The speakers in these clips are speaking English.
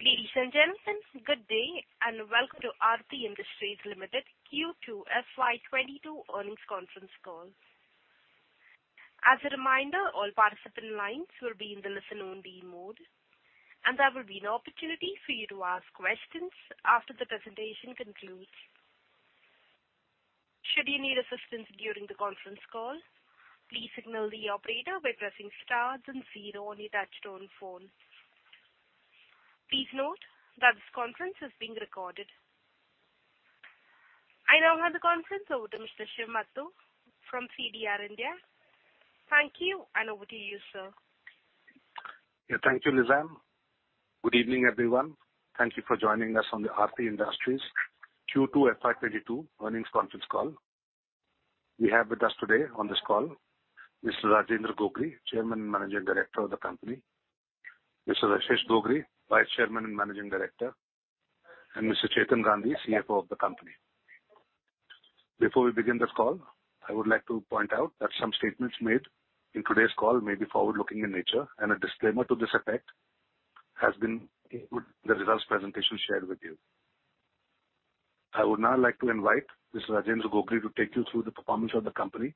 Ladies and gentlemen, good day, and welcome to Aarti Industries Limited Q2 FY 2022 earnings conference call. As a reminder, all participant lines will be in the listen-only mode, and there will be an opportunity for you to ask questions after the presentation concludes. Should you need assistance during the conference call, please signal the operator by pressing star then zero on your touchtone phone. Please note that this conference is being recorded. I now hand the conference over to Mr. Nishid Solanki from CDR India. Thank you, and over to you, sir. Yeah. Thank you, Lizanne. Good evening, everyone. Thank you for joining us on the Aarti Industries Q2 FY 2022 earnings conference call. We have with us today on this call Mr. Rajendra Gogri, Chairman and Managing Director of the company, Mr. Rashesh Gogri, Vice Chairman and Managing Director, and Mr. Chetan Gandhi, CFO of the company. Before we begin this call, I would like to point out that some statements made in today's call may be forward-looking in nature, and a disclaimer to this effect has been in the results presentation shared with you. I would now like to invite Mr. Rajendra Gogri to take you through the performance of the company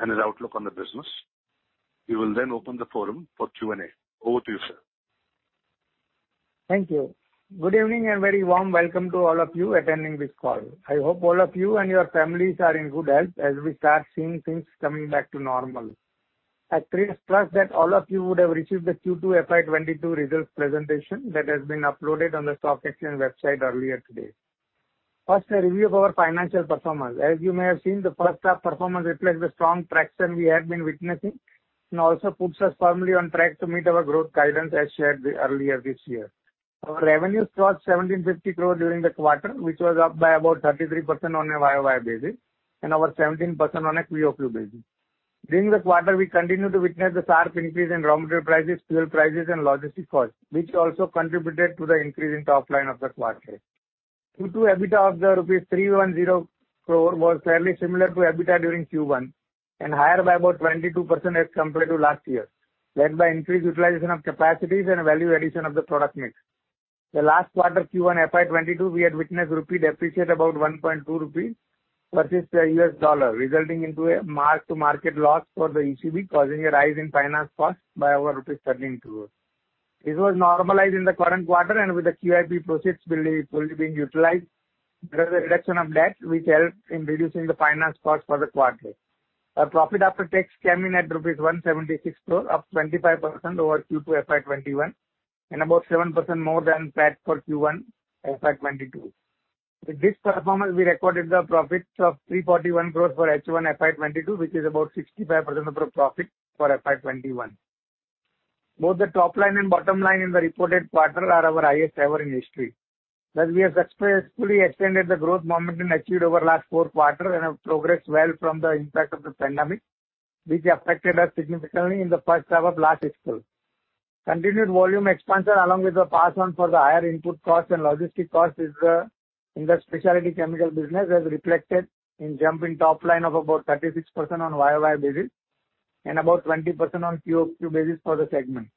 and his outlook on the business. He will then open the forum for Q&A. Over to you, sir. Thank you. Good evening, and very warm welcome to all of you attending this call. I hope all of you and your families are in good health as we start seeing things coming back to normal. I trust that all of you would have received the Q2 FY 2022 results presentation that has been uploaded on the stock exchange website earlier today. First, a review of our financial performance. As you may have seen, the first half performance reflects the strong traction we have been witnessing and also puts us firmly on track to meet our growth guidance as shared earlier this year. Our revenues crossed 1,750 crore during the quarter, which was up by about 33% on a YoY basis and over 17% on a QoQ basis. During this quarter, we continued to witness a sharp increase in raw material prices, fuel prices, and logistics costs, which also contributed to the increase in top line of the quarter. Q2 EBITDA of rupees 310 crore was fairly similar to EBITDA during Q1 and higher by about 22% as compared to last year, led by increased utilization of capacities and value addition of the product mix. The last quarter Q1 FY 2022, we had witnessed rupee depreciate about 1.2 rupees versus the U.S. dollar, resulting into a mark-to-market loss for the ECB, causing a rise in finance costs by over rupees 13 crore. This was normalized in the current quarter, and with the QIP proceeds fully being utilized, there was a reduction of debt which helped in reducing the finance cost for the quarter. Our profit after tax came in at rupees 176 crore, up 25% over Q2 FY 2021 and about 7% more than that for Q1 FY 2022. With this performance, we recorded the profits of 341 crore for H1 FY 2022, which is about 65% of the profit for FY 2021. Both the top line and bottom line in the reported quarter are our highest ever in history, as we have successfully extended the growth momentum achieved over last four quarters and have progressed well from the impact of the pandemic, which affected us significantly in the first half of last fiscal. Continued volume expansion, along with the passing on the higher input costs and logistics costs is in the specialty chemical business, as reflected in jump in top line of about 36% on YoY basis and about 20% on QoQ basis for the segment.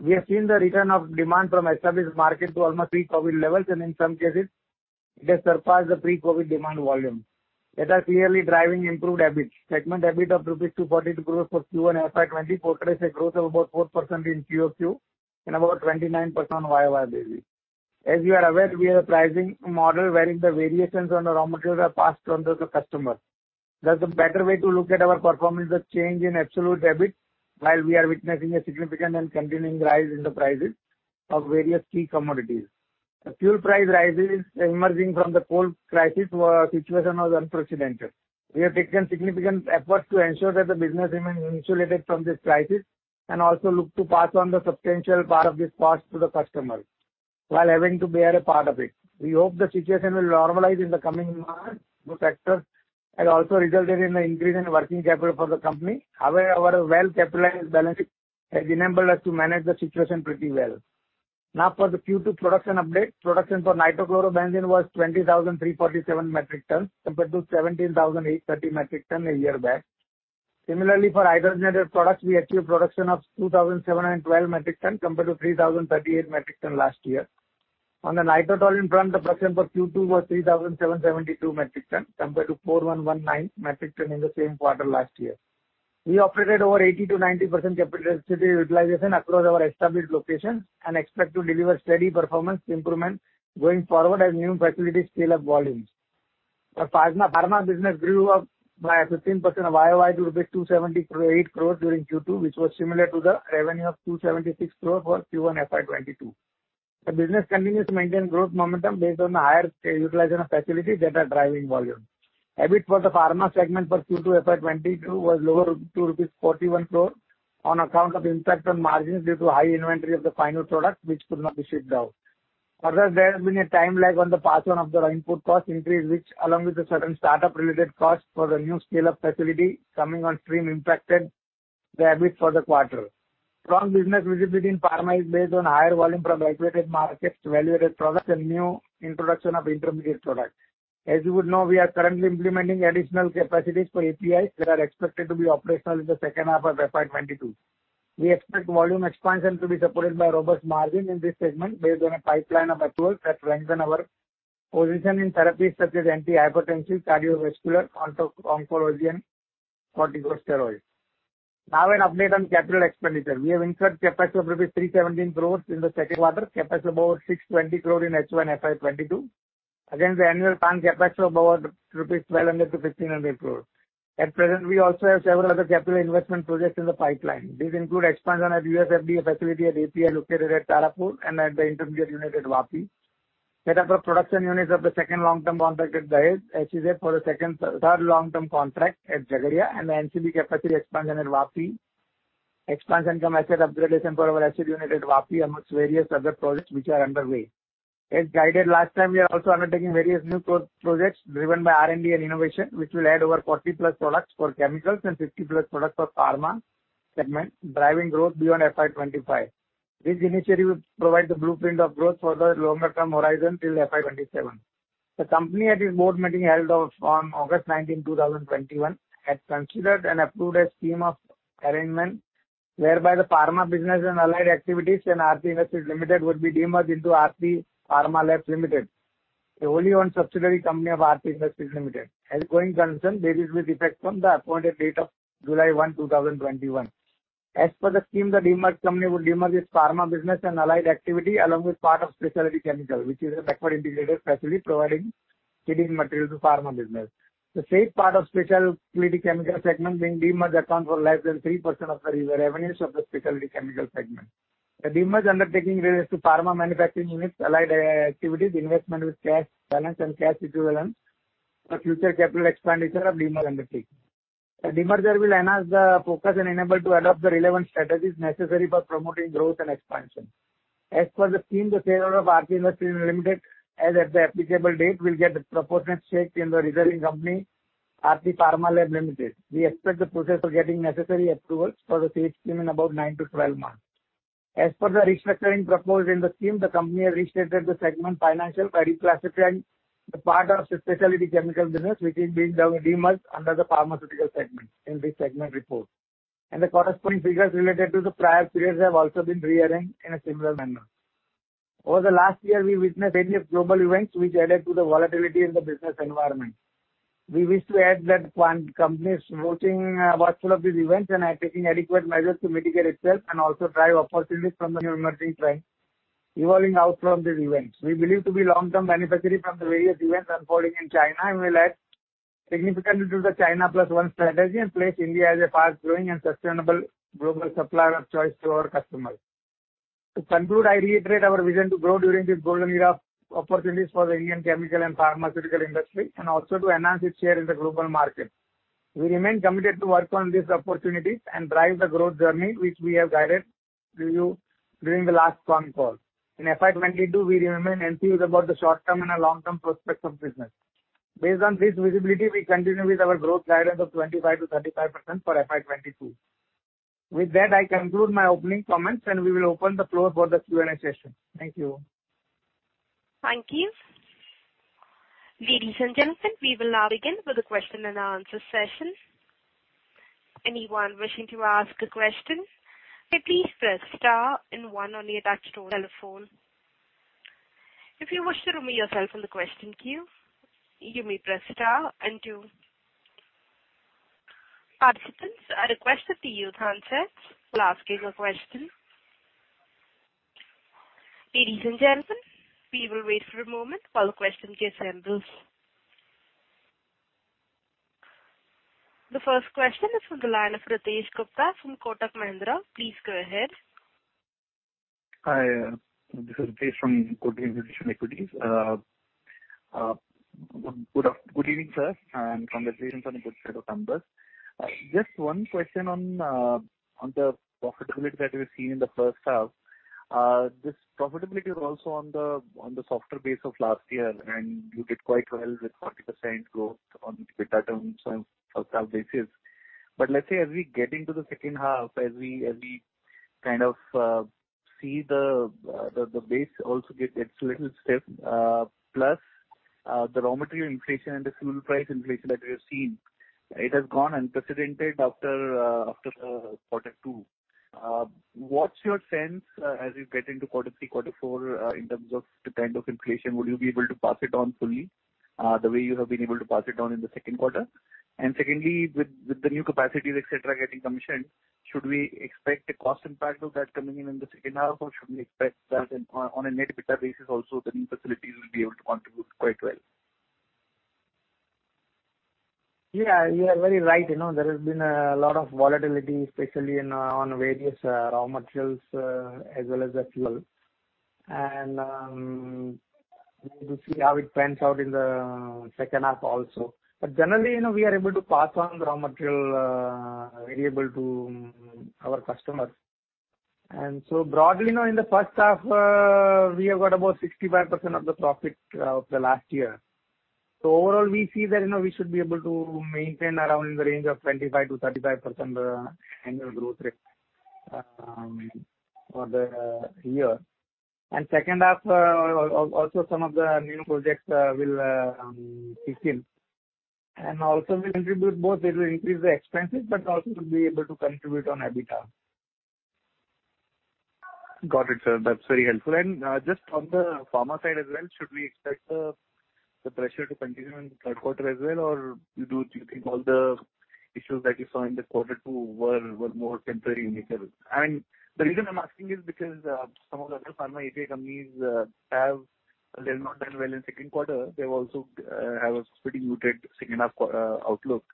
We have seen the return of demand from established market to almost pre-COVID levels, and in some cases it has surpassed the pre-COVID demand volume. That are clearly driving improved EBIT. Segment EBIT of rupees 242 crore for Q1 FY 2024 portrayed a growth of about 4% in QoQ and about 29% on YoY basis. As you are aware, we have a pricing model wherein the variations on the raw materials are passed on to the customer. Thus, the better way to look at our performance is the change in absolute EBIT while we are witnessing a significant and continuing rise in the prices of various key commodities. The fuel price rises emerging from the coal crisis situation was unprecedented. We have taken significant efforts to ensure that the business remains insulated from this crisis and also look to pass on the substantial part of these costs to the customers while having to bear a part of it. We hope the situation will normalize in the coming months. Those factors have also resulted in an increase in working capital for the company. However, our well-capitalized balance sheet has enabled us to manage the situation pretty well. Now for the Q2 production update. Production for nitrochlorobenzene was 20,347 metric tons compared to 17,830 metric tons a year back. Similarly, for hydrogenated products, we achieved production of 2,712 metric tons compared to 3,038 metric tons last year. On the nitrotoluene front, the production for Q2 was 3,772 metric tons compared to 4,119 metric tons in the same quarter last year. We operated over 80%-90% capacity utilization across our established locations and expect to deliver steady performance improvement going forward as new facilities scale up volumes. Our pharma business grew by 15% YoY to 278 crore during Q2, which was similar to the revenue of 276 crore for Q1 FY 2022. The business continues to maintain growth momentum based on the higher utilization of facilities that are driving volume. EBIT for the pharma segment for Q2 FY 2022 was lower to INR 41 crore on account of impact on margins due to high inventory of the final product, which could not be shipped out. Further, there has been a time lag on the pass on of the input cost increase, which, along with the certain start-up related costs for the new scale-up facility coming on stream impacted the EBIT for the quarter. Strong business visibility in pharma is based on higher volume from regulated markets, well-rated products, and new introduction of intermediate products. As you would know, we are currently implementing additional capacities for APIs that are expected to be operational in the second half of FY 2022. We expect volume expansion to be supported by robust margin in this segment based on a pipeline of approvals that strengthen our position in therapies such as antihypertensive, cardiovascular, oncology, and corticosteroids. Now an update on capital expenditure. We have incurred CapEx of rupees 317 crore in the second quarter, CapEx about 620 crore in HY FY 2022, against the annual planned CapEx of about rupees 1,200-1,500 crore. At present, we also have several other capital investment projects in the pipeline. These include expansion of USFDA facility at API located at Tarapur, and at the intermediate unit at Vapi. Set up of production units of the second long-term contract at Dahej, HCN for the third long-term contract at Jhagadia, and NCB capacity expansion at Vapi. Expansion from asset upgradation for our asset unit at Vapi amongst various other projects which are underway. As guided last time, we are also undertaking various new projects driven by R&D and innovation, which will add over 40+ products for chemicals and 50+ products for pharma segment, driving growth beyond FY 2025. This initiative will provide the blueprint of growth for the longer-term horizon till FY 2027. The company at its board meeting held on August 19, 2021, had considered and approved a scheme of arrangement whereby the pharma business and allied activities in Aarti Industries Limited would be demerged into Aarti Pharmalabs Limited, the only one subsidiary company of Aarti Industries Limited. As a going concern, this is with effect from the appointed date of July 1, 2021. As per the scheme, the demerged company would demerge its pharma business and allied activity along with part of specialty chemical, which is a backward integrated facility providing feeding material to pharma business. The same part of specialty chemical segment being demerged account for less than 3% of the revenues of the specialty chemical segment. The demerge undertaking relates to pharma manufacturing units, allied activities, investment with cash balance and cash equivalents for future capital expenditure of demerged entity. The demerger will enhance the focus and enable to adopt the relevant strategies necessary for promoting growth and expansion. As per the scheme, the shareholder of Aarti Industries Limited, as at the applicable date, will get the proportionate stake in the resulting company, Aarti Pharmalabs Limited. We expect the process for getting necessary approvals for the said scheme in about 9-12 months. As per the restructuring proposed in the scheme, the company has restated the segment financials by reclassifying the part of specialty chemical business which is being demerged under the pharmaceutical segment in this segment report. The corresponding figures related to the prior periods have also been rearranged in a similar manner. Over the last year, we witnessed various global events which added to the volatility in the business environment. We wish to add that the company is watchful of these events and is taking adequate measures to mitigate itself and also drive opportunities from the new emerging trends evolving out from these events. We believe we will be a long-term beneficiary from the various events unfolding in China and will add significantly to the China Plus One strategy and place India as a fast-growing and sustainable global supplier of choice to our customers. To conclude, I reiterate our vision to grow during this golden era of opportunities for the Indian chemical and pharmaceutical industry, and also to enhance its share in the global market. We remain committed to work on these opportunities and drive the growth journey which we have guided to you during the last con call. In FY 2022, we remain enthused about the short-term and long-term prospects of business. Based on this visibility, we continue with our growth guidance of 25%-35% for FY 2022. With that, I conclude my opening comments, and we will open the floor for the Q&A session. Thank you. Thank you. Ladies and gentlemen, we will now begin with the question and answer session. Anyone wishing to ask a question may please press star and one on your touchtone telephone. If you wish to remove yourself from the question queue, you may press star and two. Participants, I request that you use handsets while asking your question. Ladies and gentlemen, we will wait for a moment while the question queue assembles. The first question is from the line of Ritesh Gupta from Kotak Mahindra. Please go ahead. Hi, this is Ritesh from Kotak Institutional Equities. Good evening, sir, and congratulations on the good set of numbers. Just one question on the profitability that we've seen in the first half. This profitability is also on the softer base of last year, and you did quite well with 40% growth on EBITDA terms on first half basis. Let's say as we get into the second half, as we kind of see the base also get its little step, plus the raw material inflation and the fuel price inflation that we have seen, it has gone unprecedented after quarter two. What's your sense as you get into quarter three, quarter four, in terms of the kind of inflation? Would you be able to pass it on fully, the way you have been able to pass it on in the second quarter? Secondly, with the new capacities, et cetera, getting commissioned, should we expect a cost impact of that coming in the second half, or should we expect that on a net EBITDA basis also the new facilities will be able to contribute quite well? Yeah. You are very right. You know, there has been a lot of volatility, especially in on various raw materials as well as the fuel. We'll see how it pans out in the second half also. Generally, you know, we are able to pass on raw material variable to our customers. Broadly, you know, in the first half we have got about 65% of the profit of the last year. Overall, you know, we should be able to maintain around in the range of 25%-35% annual growth rate. For the year. Second half also some of the new projects will kick in, and also will contribute both. It will increase the expenses, but also to be able to contribute on EBITDA. Got it, sir. That's very helpful. Just on the pharma side as well, should we expect the pressure to continue in the third quarter as well? Do you think all the issues that you saw in Q2 were more temporary in nature? The reason I'm asking is because some of the other pharma API companies have not done well in second quarter. They've also have a pretty muted second half outlook.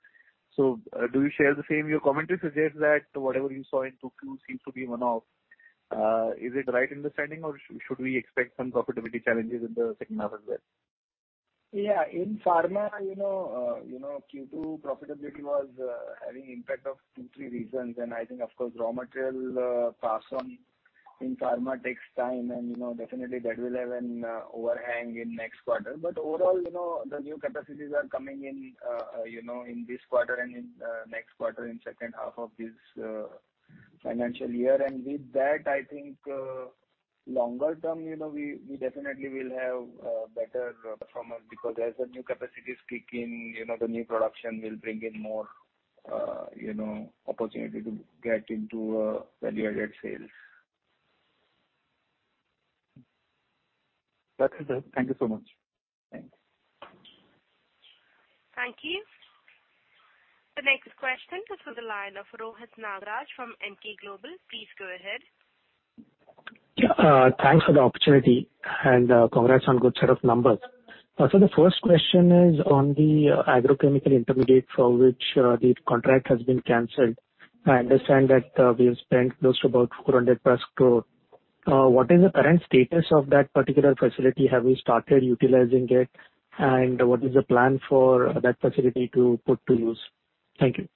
Do you share the same? Your commentary suggests that whatever you saw in 2Q seems to be one-off. Is it right understanding or should we expect some profitability challenges in the second half as well? Yeah. In pharma, you know, you know, Q2 profitability was having impact of two, three reasons. I think, of course, raw material pass on in pharma takes time and, you know, definitely that will have an overhang in next quarter. Overall, you know, the new capacities are coming in, you know, in this quarter and in next quarter, in second half of this financial year. With that, I think longer term, you know, we definitely will have better performance because as the new capacities kick in, you know, the new production will bring in more, you know, opportunity to get into value-added sales. That's it, sir. Thank you so much. Thanks. Thank you. The next question is on the line of Rohit Nagraj from Emkay Global. Please go ahead. Yeah. Thanks for the opportunity, and congrats on good set of numbers. So the first question is on the agrochemical intermediate for which the contract has been canceled. I understand that we have spent close to about 400+ crore. What is the current status of that particular facility? Have you started utilizing it? And what is the plan for that facility to put to use? Thank you.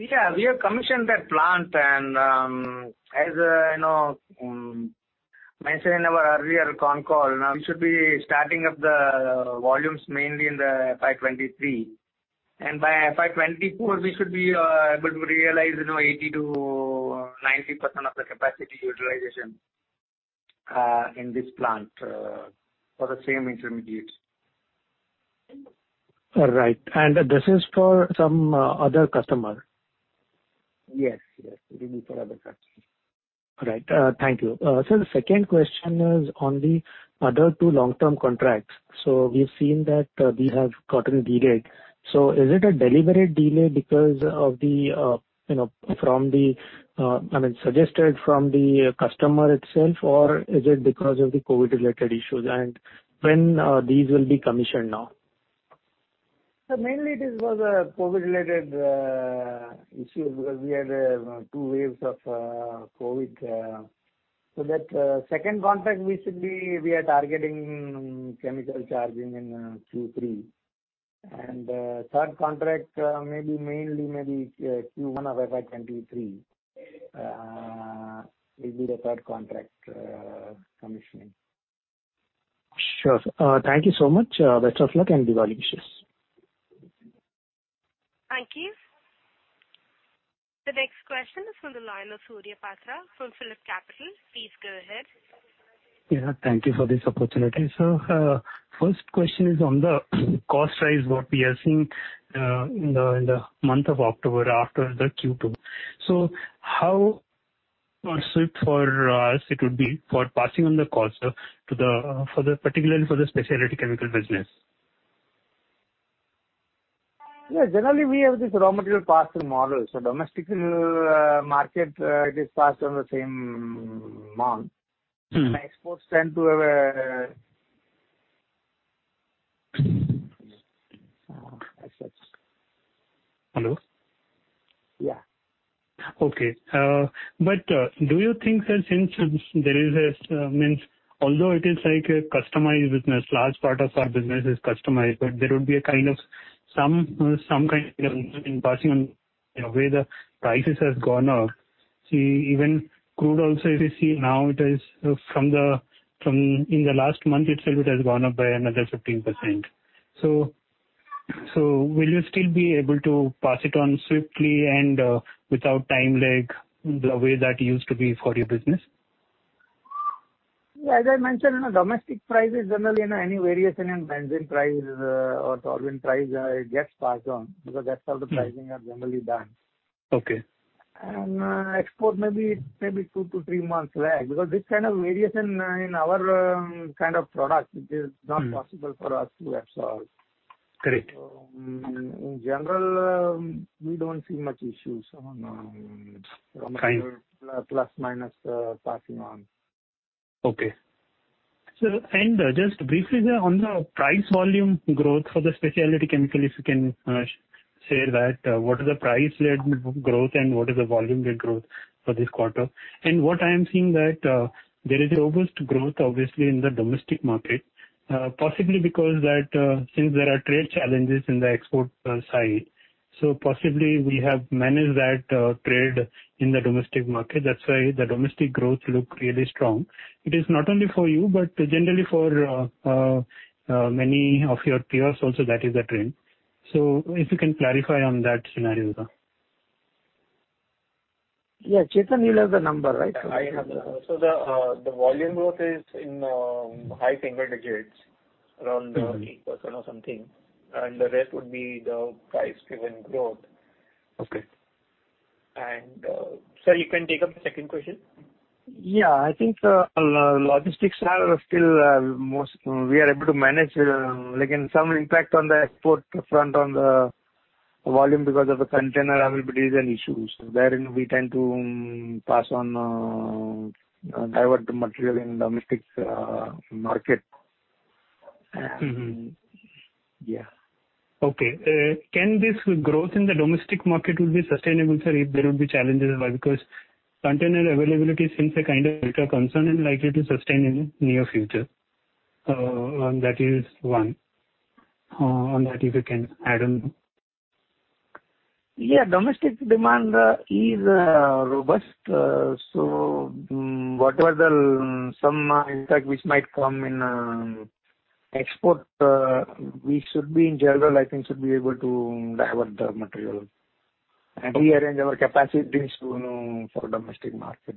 Yeah. We have commissioned that plant. As you know, mentioned in our earlier con call, we should be starting up the volumes mainly in the FY 2023. By FY 2024, we should be able to realize, you know, 80%-90% of the capacity utilization in this plant for the same intermediate. All right. This is for some other customer? Yes. It will be for other customer. All right. Thank you. Sir, the second question is on the other two long-term contracts. We've seen that these have gotten delayed. Is it a deliberate delay because of the you know, from the, I mean, suggested from the customer itself, or is it because of the COVID-related issues? When these will be commissioned now? Mainly it is for the COVID-related issue because we had two waves of COVID. That second contract we are targeting chemical charging in Q3. Third contract, maybe mainly maybe Q1 of FY 2023 will be the third contract commissioning. Sure. Thank you so much. Best of luck and Diwali wishes. Thank you. The next question is on the line of Surya Patra from PhillipCapital. Please go ahead. Yeah. Thank you for this opportunity. First question is on the cost rise, what we are seeing in the month of October after the Q2. How swift for us it would be for passing on the cost to the for the particularly for the specialty chemical business? Yeah. Generally, we have this raw material pass-through model. Domestic market, it is passed on the same month. Mm-hmm. Exports tend to have a. Hello? Yeah. Do you think that since there is a means although it is like a customized business, large part of our business is customized, but there would be a kind of some kind in passing on, you know, where the prices has gone up. See, even crude also, if you see now, it is from in the last month itself, it has gone up by another 15%. Will you still be able to pass it on swiftly and without time lag the way that used to be for your business? Yeah. As I mentioned, you know, domestic prices generally, you know, any variation in benzene price, or toluene price, it gets passed on because that's how the pricing are generally done. Okay. Export may be 2 to 3 months lag because this kind of variation in our kind of product. It is not possible for us to absorb. Correct. In general, we don't see much issues on. Fine. Raw material plus minus, passing on. Okay. Sir, just briefly on the price volume growth for the specialty chemical, if you can share that, what is the price-led growth and what is the volume-led growth for this quarter? What I am seeing that there is robust growth obviously in the domestic market, possibly because that since there are trade challenges in the export side. Possibly we have managed that trade in the domestic market. That's why the domestic growth look really strong. It is not only for you, but generally for many of your peers also that is the trend. If you can clarify on that scenario, sir. Yeah, Chetan, you'll have the number, right? The volume growth is in high single digits, around 8% or something, and the rest would be the price-driven growth. Okay. Sir, you can take up the second question. Yeah. I think logistics are still. We are able to manage like some impact on the export front on the volume because of the container availability and issues. Therein, we tend to pass on divert the material in domestic market. Mm-hmm. Yeah. Okay. Can this growth in the domestic market will be sustainable, sir, if there will be challenges or why? Because container availability seems like a bigger concern and likely to sustain in near future. That is one, on that if you can add on. Yeah, domestic demand is robust. Whatever some impact which might come in export, we should be in general, I think, able to divert the material and rearrange our capacities to, you know, for domestic market.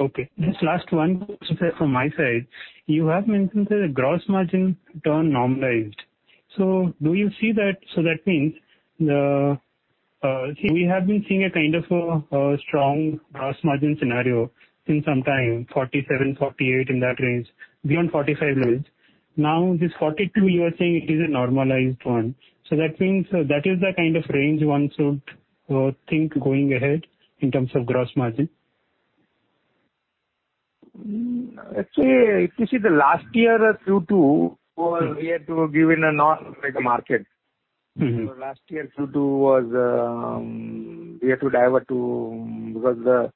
Okay. Just last one question from my side. You have mentioned that the gross margin turned normalized. Do you see that? That means we have been seeing a kind of a strong gross margin scenario in some time, 47%-48% in that range, beyond 45% levels. Now, this 42% you are saying it is a normalized one. That means that is the kind of range one should think going ahead in terms of gross margin. Actually, if you see the last year, Q2 was we had to give in a non-regular market. Mm-hmm. Last year Q2 was we had to divert to the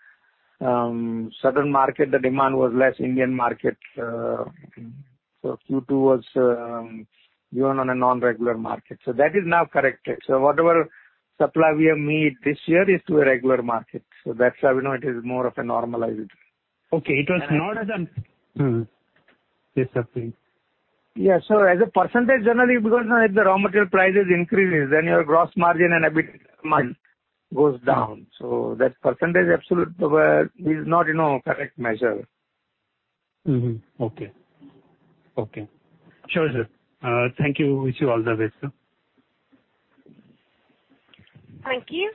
southern market because the demand was less in the Indian market. Q2 was given on a non-regular market. That is now corrected. Whatever supply we have made this year is to a regular market. That's why we know it is more of a normalized. Okay. Mm-hmm. Yes, sir. Please. Yeah. As a percentage generally, because now if the raw material prices increases, then your gross margin and EBIT margin goes down. That percentage absolute is not, you know, a correct measure. Okay. Sure, sir. Thank you. Wish you all the best, sir. Thank you.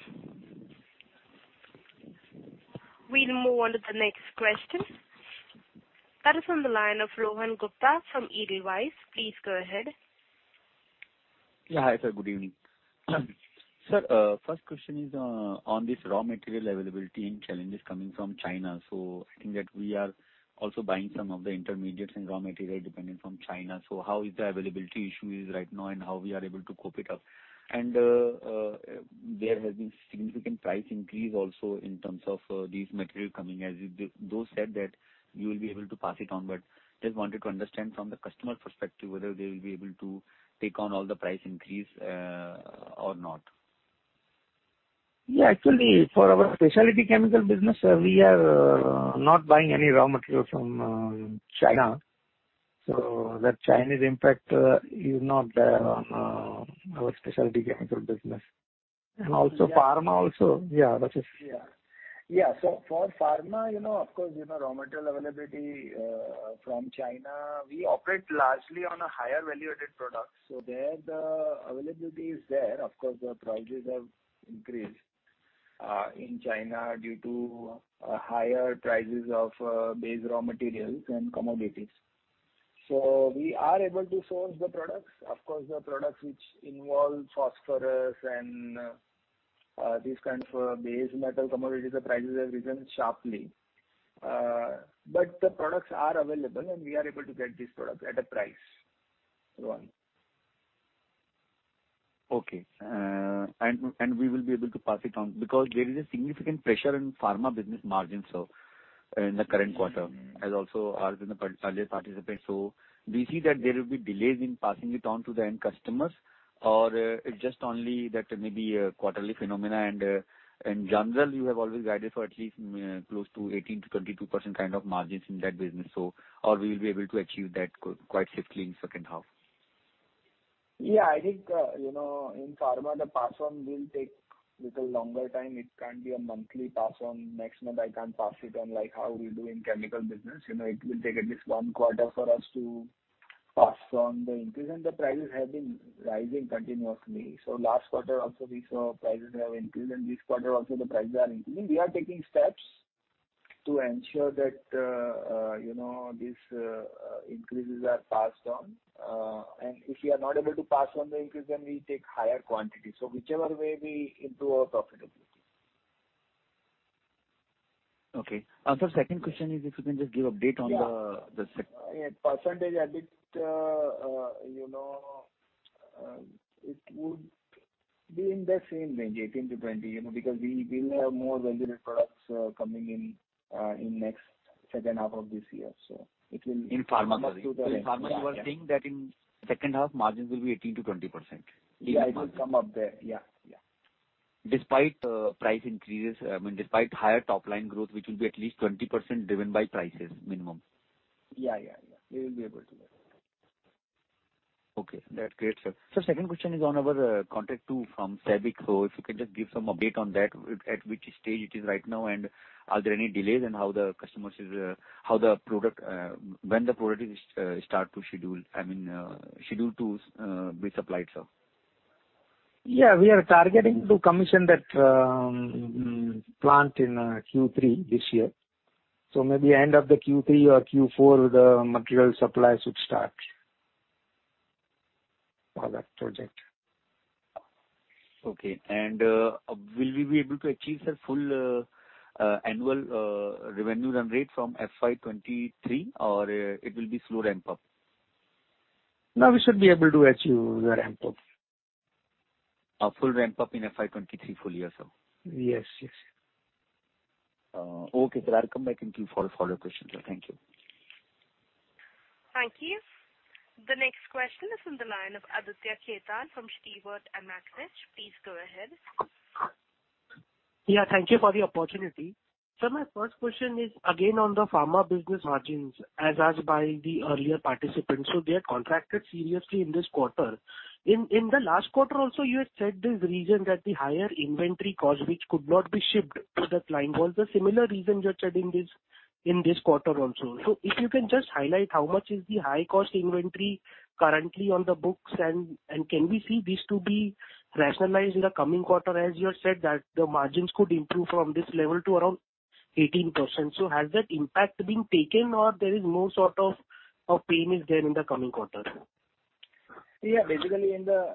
We'll move on to the next question. That is on the line of Rohan Gupta from Edelweiss. Please go ahead. Yeah. Hi, sir. Good evening. Sir, first question is on this raw material availability and challenges coming from China. I think that we are also buying some of the intermediates and raw material dependent from China. How is the availability issue right now and how we are able to cope it up? There has been significant price increase also in terms of these material coming. As you said, though, you will be able to pass it on, but just wanted to understand from the customer perspective, whether they will be able to take on all the price increase or not. Yeah. Actually, for our specialty chemical business, we are not buying any raw material from China. That Chinese impact is not there on our specialty chemical business. And also- Pharma also. Yeah. That is- For pharma, you know, of course, you know, raw material availability from China, we operate largely on a higher value-added products. There the availability is there. Of course, the prices have increased in China due to higher prices of base raw materials and commodities. We are able to source the products. Of course, the products which involve phosphorus and these kinds of base metal commodities, the prices have risen sharply. But the products are available, and we are able to get this product at a price, Rohan. Okay. And we will be able to pass it on because there is a significant pressure in pharma business margins, so in the current quarter. Mm-hmm. As also ours in the earlier participant. Do you see that there will be delays in passing it on to the end customers? Or it just only that may be a quarterly phenomenon and, in general, you have always guided for at least close to 18%-22% kind of margins in that business, or we will be able to achieve that quite swiftly in second half. Yeah. I think, you know, in pharma the pass on will take little longer time. It can't be a monthly pass on. Next month I can't pass it on like how we do in chemical business. You know, it will take at least one quarter for us to pass on the increase. The prices have been rising continuously. Last quarter also we saw prices have increased, and this quarter also the prices are increasing. We are taking steps to ensure that, you know, these increases are passed on. If we are not able to pass on the increase then we take higher quantity. Whichever way we improve our profitability. Okay. Sir, second question is if you can just give update on the- Yeah. -the sec- Yeah. Percentage EBIT, you know, it would be in the same range, 18%-20%, you know, because we will have more value-added products coming in in next second half of this year. It will- In pharma, sir. Yeah, yeah. In pharma you are saying that in second half margins will be 18%-20%. Yeah. It will come up there. Yeah, yeah. Despite price increases, I mean, despite higher top line growth, which will be at least 20% driven by prices minimum. Yeah. We will be able to get. Okay, that's great, sir. Second question is on our contract with SABIC. If you can just give some update on that, at which stage it is right now, and are there any delays in when the product is scheduled to be supplied, sir. Yeah, we are targeting to commission that plant in Q3 this year. Maybe end of the Q3 or Q4, the material supply should start for that project. Okay. Will we be able to achieve the full annual revenue run rate from FY 2023, or it will be slow ramp-up? No, we should be able to achieve the ramp-up. A full ramp-up in FY 2023 full year, sir? Yes. Yes. Okay, sir. I'll come back in queue for follow-up questions. Thank you. Thank you. The next question is on the line of Aditya Khetan from SMIFS Limited. Please go ahead. Yeah, thank you for the opportunity. My first question is, again, on the pharma business margins as asked by the earlier participants. They are contracted seriously in this quarter. In the last quarter also, you had said this reason that the higher inventory cost, which could not be shipped to the client was the similar reason you're citing this in this quarter also. If you can just highlight how much is the high-cost inventory currently on the books and can we see this to be rationalized in the coming quarter, as you have said, that the margins could improve from this level to around 18%. Has that impact been taken or there is more sort of pain in the coming quarters? Yeah, basically in the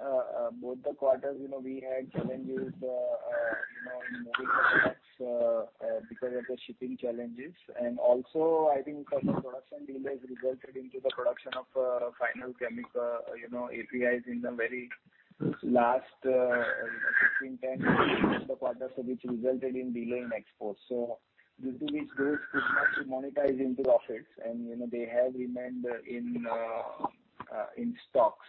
both the quarters, you know, we had challenges you know, in moving the products because of the shipping challenges. Also, I think some of the production delays resulted into the production of final chemical, you know, APIs in the very last between 10 days of the quarter, which resulted in delay in exports. Due to which those could not be monetized into profits and you know, they have remained in stocks.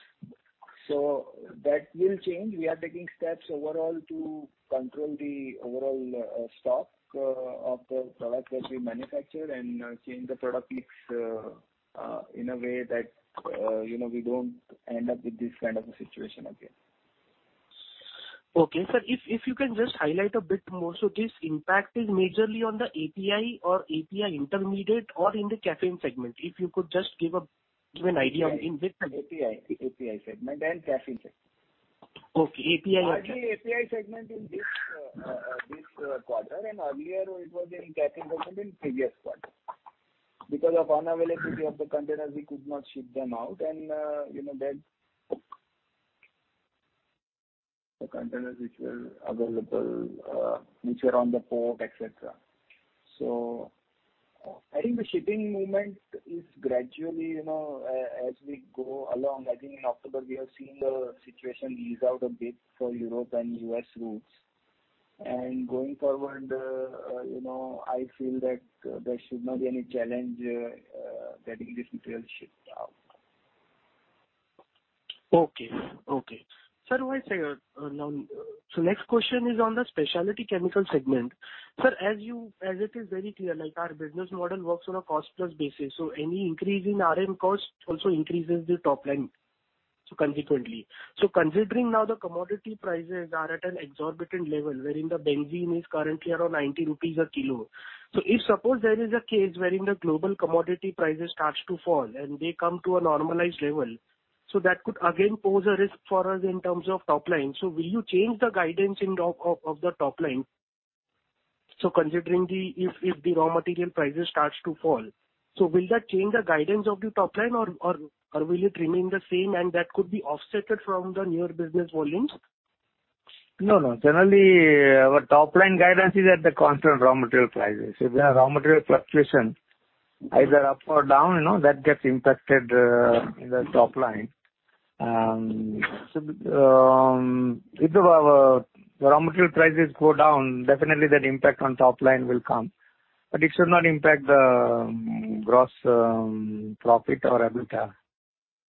That will change. We are taking steps overall to control the overall stock of the product that we manufacture and change the product mix in a way that you know, we don't end up with this kind of a situation again. Okay, sir. If you can just highlight a bit more. This impact is majorly on the API or API intermediate or in the caffeine segment. If you could just give an idea in which segment. API segment and Caffeine segment. Okay. API Actually, API segment in this quarter and earlier it was in caffeine segment in previous quarter. Because of unavailability of the containers, we could not ship them out and, you know, that the containers which were available, which were on the port, etc. I think the shipping movement is gradually, you know, as we go along. I think in October we are seeing the situation ease out a bit for Europe and U.S. routes. Going forward, you know, I feel that there should not be any challenge getting this material shipped out. Sir, next question is on the specialty chemical segment. Sir, as it is very clear, like our business model works on a cost-plus basis. Any increase in RM costs also increases the top line, consequently. Considering now the commodity prices are at an exorbitant level, wherein the benzene is currently around 90 rupees a kilo. If suppose there is a case wherein the global commodity prices starts to fall and they come to a normalized level, that could again pose a risk for us in terms of top line. Will you change the guidance in of the top line? Considering the, if the raw material prices starts to fall. Will that change the guidance of the top line or will it remain the same and that could be offset from the near business volumes? No, no. Generally our top line guidance is at the constant raw material prices. If there are raw material fluctuation, either up or down, you know, that gets impacted in the top line. If the raw material prices go down, definitely that impact on top line will come. But it should not impact the gross profit or EBITDA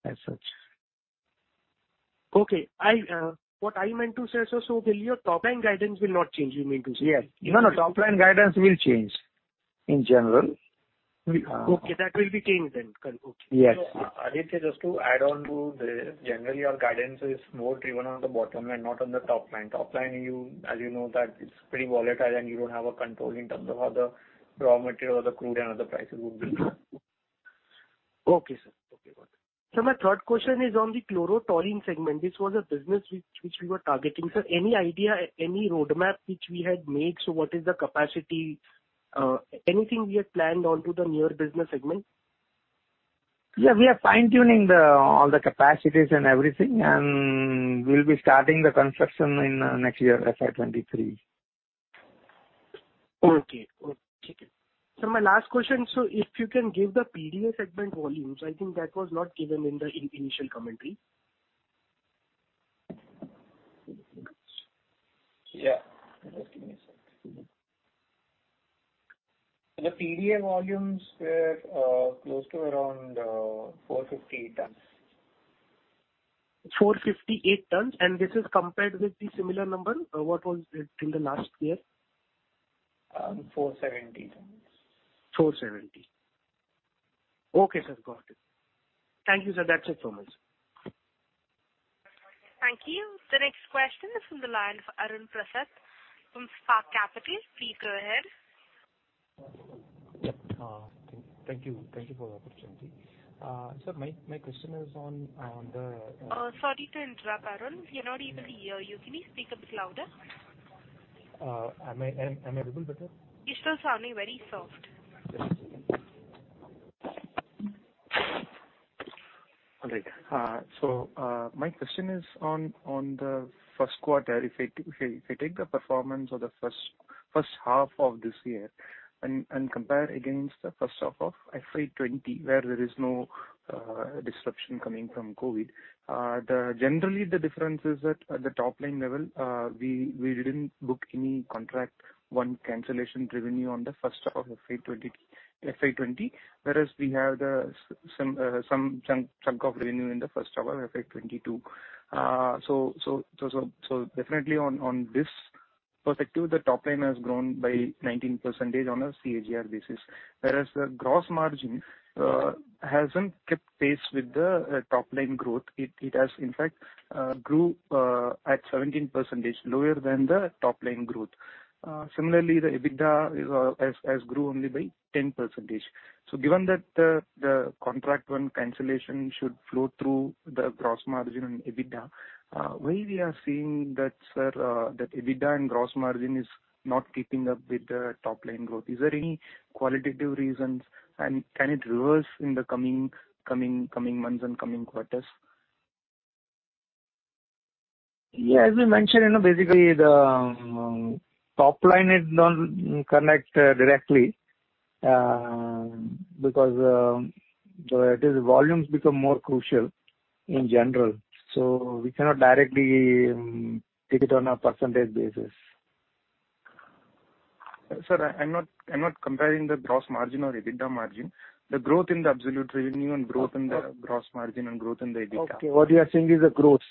as such. Okay. What I meant to say, sir, is your top-line guidance will not change? You mean to say? Yes. No, no. Top line guidance will change in general. Okay, that will be changed then. Okay. Yes. Aditya, just to add on to this. Generally our guidance is more driven on the bottom and not on the top line. Top line, you, as you know that it's pretty volatile and you don't have a control in terms of how the raw material or the crude and other prices would be. My third question is on the chlorotoluene segment. This was a business which we were targeting. Sir, any idea, any roadmap which we had made? What is the capacity? Anything we had planned on the nitro business segment? Yeah. We are fine-tuning all the capacities and everything, and we'll be starting the construction in next year, FY 2023. Okay. Sir, my last question. If you can give the PDA segment volumes, I think that was not given in the initial commentary. Yeah. Just give me a second. The PDA volumes were close to around 458 tons. 458 tons. This is compared with the similar number, what was it in the last year? INR 470. 470. Okay, sir. Got it. Thank you, sir. That's it from us. Thank you. The next question is from the line of Arun Prasad from Spark Capital. Please go ahead. Yep, thank you. Thank you for the opportunity. Sir, my question is on the, Sorry to interrupt, Arun. We cannot even hear you. Can you speak up louder? Am I a little better? You're still sounding very soft. All right. My question is on the first quarter. If I take the performance of the first half of this year and compare against the first half of FY 2020, where there is no disruption coming from COVID, generally the difference is that at the top line level, we didn't book any contract one-time cancellation revenue on the first half of FY 2020. Whereas we have some chunk of revenue in the first half of FY 2022. Definitely on this perspective, the top line has grown by 19% on a CAGR basis. Whereas the gross margin hasn't kept pace with the top line growth. It has in fact grew at 17% lower than the top line growth. Similarly, the EBITDA has grew only by 10%. Given that the contract manufacturing cancellation should flow through the gross margin on EBITDA, why are we seeing that EBITDA and gross margin is not keeping up with the top line growth? Is there any qualitative reasons, and can it reverse in the coming months and coming quarters? Yeah, as we mentioned, you know, basically the top line is not connected directly. Because these volumes become more crucial in general, so we cannot directly take it on a percentage basis. Sir, I'm not comparing the gross margin or EBITDA margin. The growth in the absolute revenue and growth in the gross margin and growth in the EBITDA. Okay. What you are saying is the growth.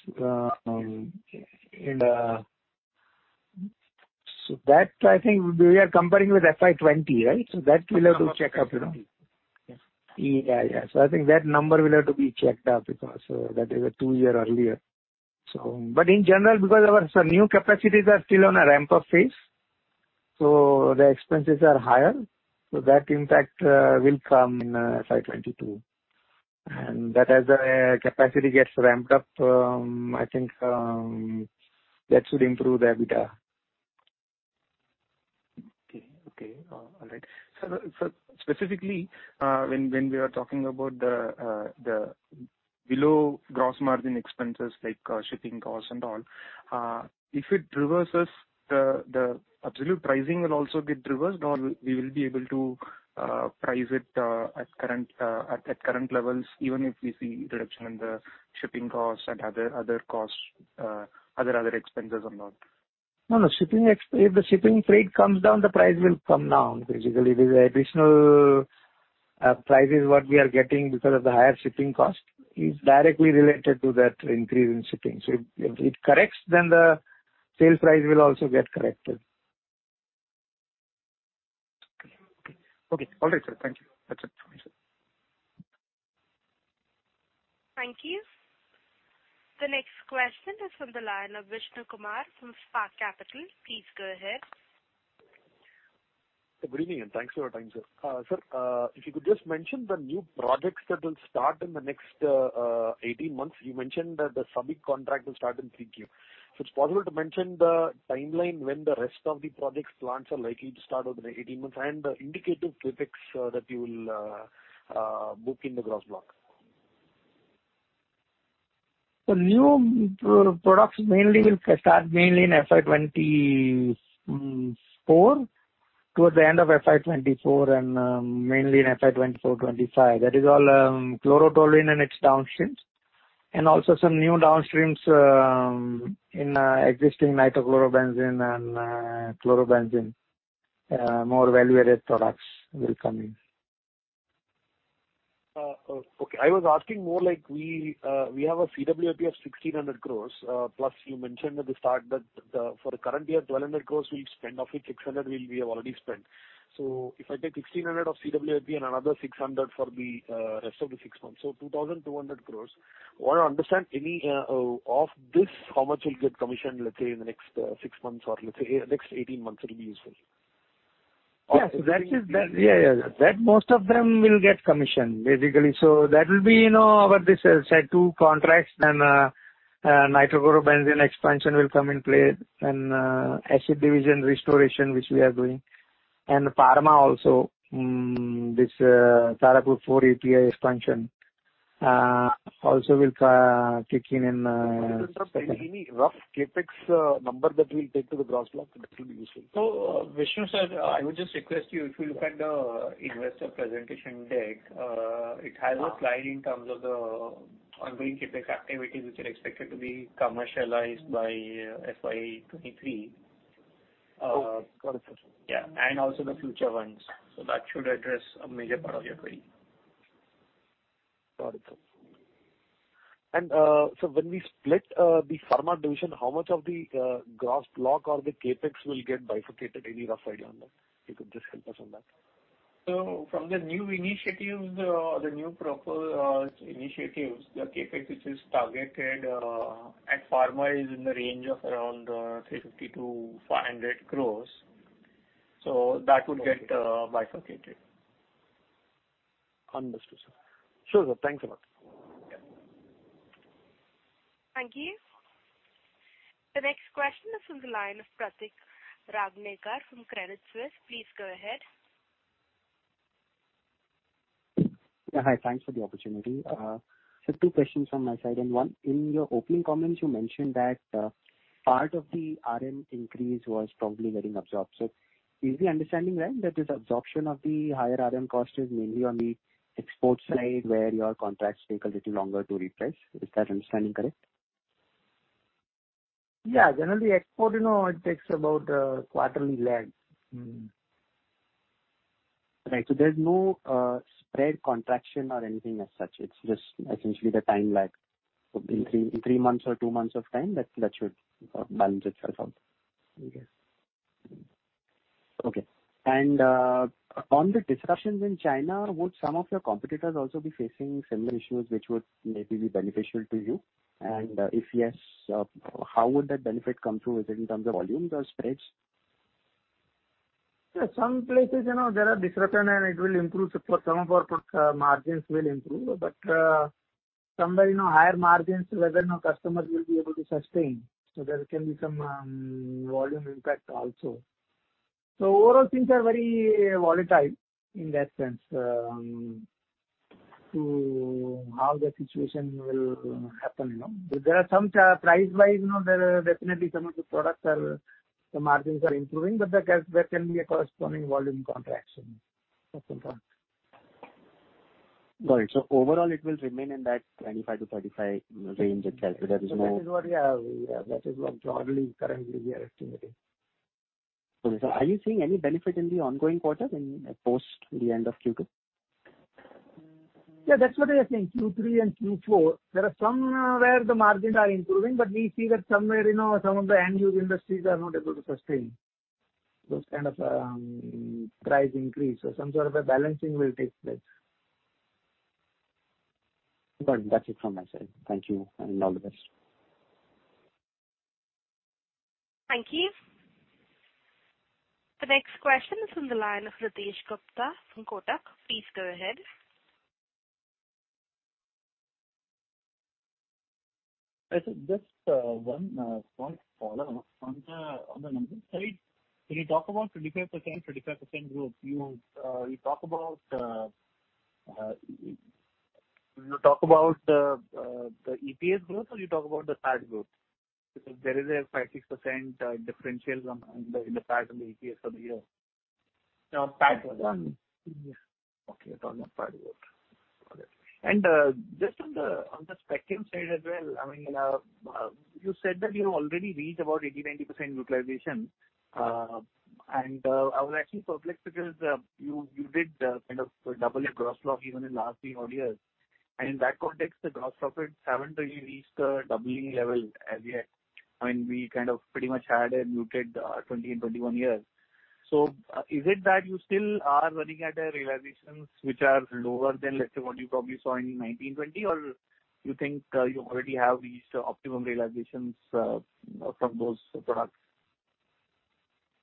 That I think we are comparing with FY 2020, right? That we'll have to check up, you know. Yes. Yeah, I think that number will have to be checked up because that is two years earlier. But in general, because our new capacities are still on a ramp-up phase, the expenses are higher. That impact will come in FY 2022. Then as the capacity gets ramped up, I think that should improve the EBITDA. Specifically, when we are talking about the below gross margin expenses like shipping costs and all, if it reverses, the absolute pricing will also get reversed or we will be able to price it at current levels, even if we see reduction in the shipping costs and other costs, other expenses or not? No, no. If the shipping freight comes down, the price will come down. Basically, the additional prices what we are getting because of the higher shipping cost is directly related to that increase in shipping. If it corrects, then the sales price will also get corrected. Okay. All right, sir. Thank you. That's it from me, sir. Thank you. The next question is from the line of Vishnu Kumar from Spark Capital. Please go ahead. Good evening, and thanks for your time, sir. Sir, if you could just mention the new projects that will start in the next 18 months. You mentioned that the SABIC contract will start in 3Q. It's possible to mention the timeline when the rest of the projects plans are likely to start over the 18 months and the indicative CapEx that you will book in the gross block. The new products mainly will start in FY 2024, towards the end of FY 2024 and mainly in FY 2024, 2025. That is all chlorotoluene and its downstreams, and also some new downstreams in existing nitrochlorobenzene and chlorobenzene. More value-added products will come in. Okay. I was asking more like we have a CWIP of 1,600 crore. Plus you mentioned at the start that for the current year, 1,200 crore we'll spend. Of which 600 crore we have already spent. So if I take 1,600 of CWIP and another 600 crore for the rest of the 6 months, so 2,200 crore. I want to understand any of this, how much will get commissioned, let's say, in the next 6 months or, let's say, next 18 months it will be useful. Yes. That most of them will get commissioned, basically. That will be, you know, our this set 2 contracts and nitrochlorobenzene expansion will come into play and acid division restoration, which we are doing. Pharma also Tarapur 4 API expansion also will kick in. Any rough CapEx number that we'll take to the gross block, that will be useful. Vishnu Kumar, I would just request you, if you look at the investor presentation deck, it has a slide in terms of the ongoing CapEx activities which are expected to be commercialized by FY 2023. Okay. Got it, sir. Yeah. Also the future ones. That should address a major part of your query. Got it, sir. When we split the pharma division, how much of the gross block or the CapEx will get bifurcated? Any rough idea on that? If you could just help us on that. From the new proposed initiatives, the CapEx which is targeted at pharma is in the range of around 350 crore-400 crore. That would get bifurcated. Understood, sir. Sure, sir. Thanks a lot. Yeah. Thank you. The next question is from the line of Pratik Rangnekar from Credit Suisse. Please go ahead. Yeah, hi. Thanks for the opportunity. Two questions from my side. One, in your opening comments you mentioned that, part of the RM increase was probably getting absorbed. Is the understanding right that this absorption of the higher RM cost is mainly on the export side, where your contracts take a little longer to refresh? Is that understanding correct? Yeah. Generally export, you know, it takes about a quarterly lag. Right. There's no spread contraction or anything as such. It's just essentially the time lag. In 3 months or 2 months of time, that should balance itself out, I guess. Okay. On the discussions in China, would some of your competitors also be facing similar issues which would maybe be beneficial to you? If yes, how would that benefit come through? Is it in terms of volumes or spreads? Yeah, some places, you know, there are disruptions and it will improve. For some of our products, margins will improve. Somewhere, you know, higher margins, whether or not customers will be able to sustain. There can be some volume impact also. Overall things are very volatile in that sense, to how the situation will happen, you know. Price-wise, you know, there are definitely some of the products, the margins are improving, but there can be a corresponding volume contraction at some point. Got it. Overall it will remain in that 25%-35%, you know, range itself. There is no. That is what broadly currently we are estimating. Okay. Are you seeing any benefit in the ongoing quarter post the end of Q2? Yeah, that's what I think. Q3 and Q4, there are some where the margins are improving, but we see that somewhere, you know, some of the end use industries are not able to sustain those kind of price increase. Some sort of a balancing will take place. Got it. That's it from my side. Thank you, and all the best. Thank you. The next question is from the line of Ritesh Gupta from Kotak. Please go ahead. I think just one quick follow-up on the numbers side. When you talk about 25%-35% growth, you talk about the EPS growth or you talk about the PAT growth? Because there is a 5-6% differential in the PAT and the EPS for the year. No, PAT growth. Okay. Talking of PAT growth. Got it. Just on the spectrum side as well, I mean, you said that you already reached about 80%-90% utilization. I was actually perplexed because you did kind of double your gross block even in last three odd years. In that context, the gross profit haven't really reached the doubling level as yet. I mean, we kind of pretty much had a muted 2020 and 2021 years. Is it that you still are running at realizations which are lower than, let's say, what you probably saw in 2019, 2020? Or you think you already have reached optimum realizations from those products?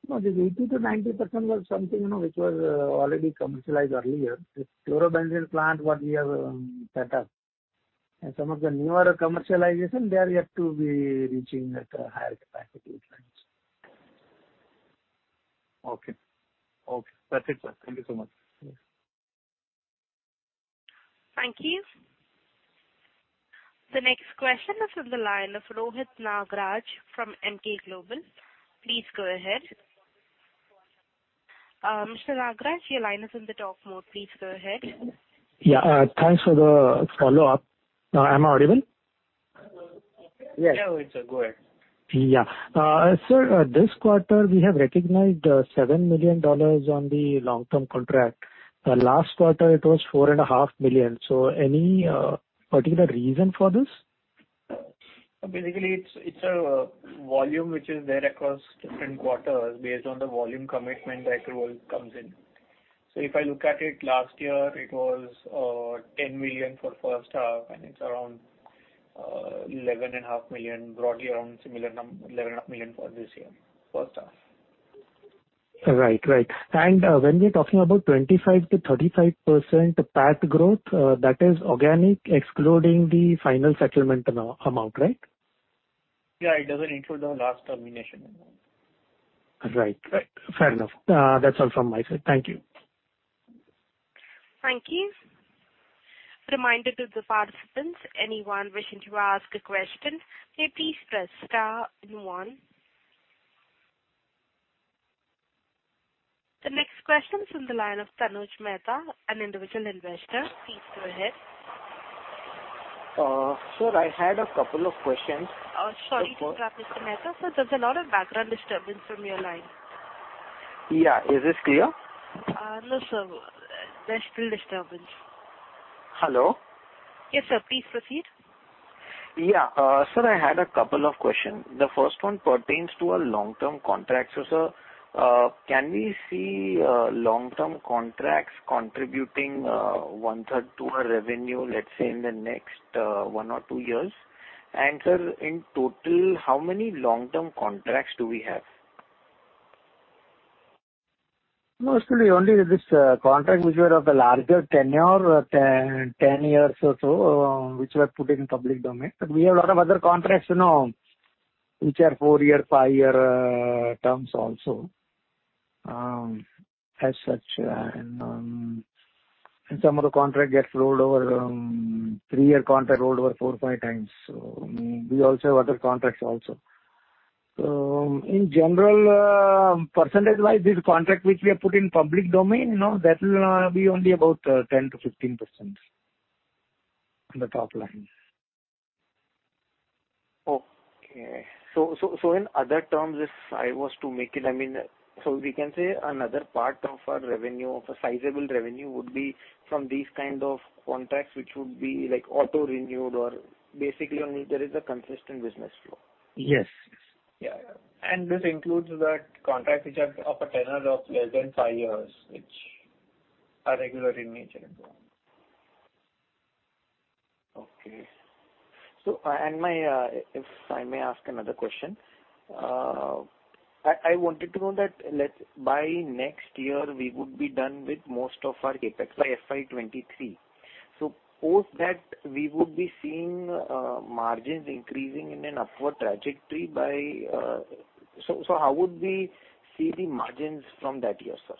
No, this 80%-90% was something, you know, which was already commercialized earlier. This chlorobenzene plant what we have set up. Some of the newer commercialization, they are yet to be reaching at a higher capacity utilization. Okay. That's it, sir. Thank you so much. Yes. Thank you. The next question is from the line of Rohit Nagraj from Emkay Global. Please go ahead. Mr. Nagraj, your line is on the talk mode. Please go ahead. Yeah. Thanks for the follow-up. Am I audible? Yes. Yeah, Rohit, sir. Go ahead. Yeah. Sir, this quarter we have recognized $7 million on the long-term contract. The last quarter it was $4.5 million. Any particular reason for this? Basically it's a volume which is there across different quarters based on the volume commitment that rolls in. If I look at it last year, it was 10 million for first half, and it's around 11.5 million, broadly around similar 11.5 million for this year, first half. Right. When we are talking about 25%-35% PAT growth, that is organic excluding the final settlement amount, right? Yeah. It doesn't include the last termination amount. Right. Fair enough. That's all from my side. Thank you. Thank you. Reminder to the participants, anyone wishing to ask a question, may please press star and one. The next question is from the line of Tanuj Mehta, an individual investor. Please go ahead. Sir, I had a couple of questions. Sorry to interrupt, Mr. Mehta. Sir, there's a lot of background disturbance from your line. Yeah. Is this clear? No, sir. There's still disturbance. Hello. Yes, sir. Please proceed. Yeah. Sir, I had a couple of questions. The first one pertains to a long-term contract. Sir, can we see long-term contracts contributing 1/3 to our revenue, let's say in the next one or two years? Sir, in total, how many long-term contracts do we have? Mostly only this contract which were of a larger tenure, 10 years or so, which were put in public domain. We have a lot of other contracts, you know, which are 4-year, 5-year terms also, as such. Some of the contract gets rolled over, 3-year contract rolled over 4, 5 times. We also have other contracts also. In general, percentage-wise, this contract which we have put in public domain, you know, that will be only about 10%-15% on the top line. Okay. In other terms, I mean, so we can say another part of our revenue, of a sizable revenue would be from these kind of contracts which would be like auto-renewed or basically only there is a consistent business flow. Yes. Yeah. This includes that contract which are of a tenure of less than five years, which are regular in nature as well. Okay. If I may ask another question. I wanted to know that let's say by next year we would be done with most of our CapEx by FY 2023. Post that we would be seeing margins increasing in an upward trajectory by. How would we see the margins from that year, sir?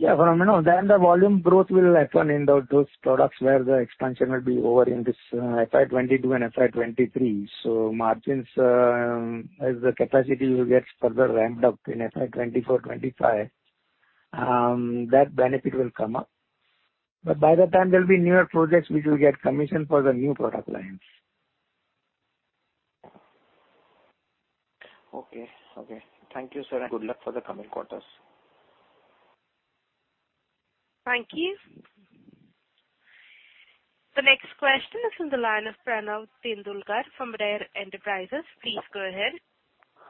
Well, you know, the volume growth will happen in those products where the expansion will be over in this FY 2022 and FY 2023. Margins, as the capacity will get further ramped up in FY 2024, 2025, that benefit will come up. By that time there will be newer projects which will get commissioned for the new product lines. Okay. Thank you, sir, and good luck for the coming quarters. Thank you. The next question is on the line of Pranav Tendulkar from Rare Enterprises. Please go ahead.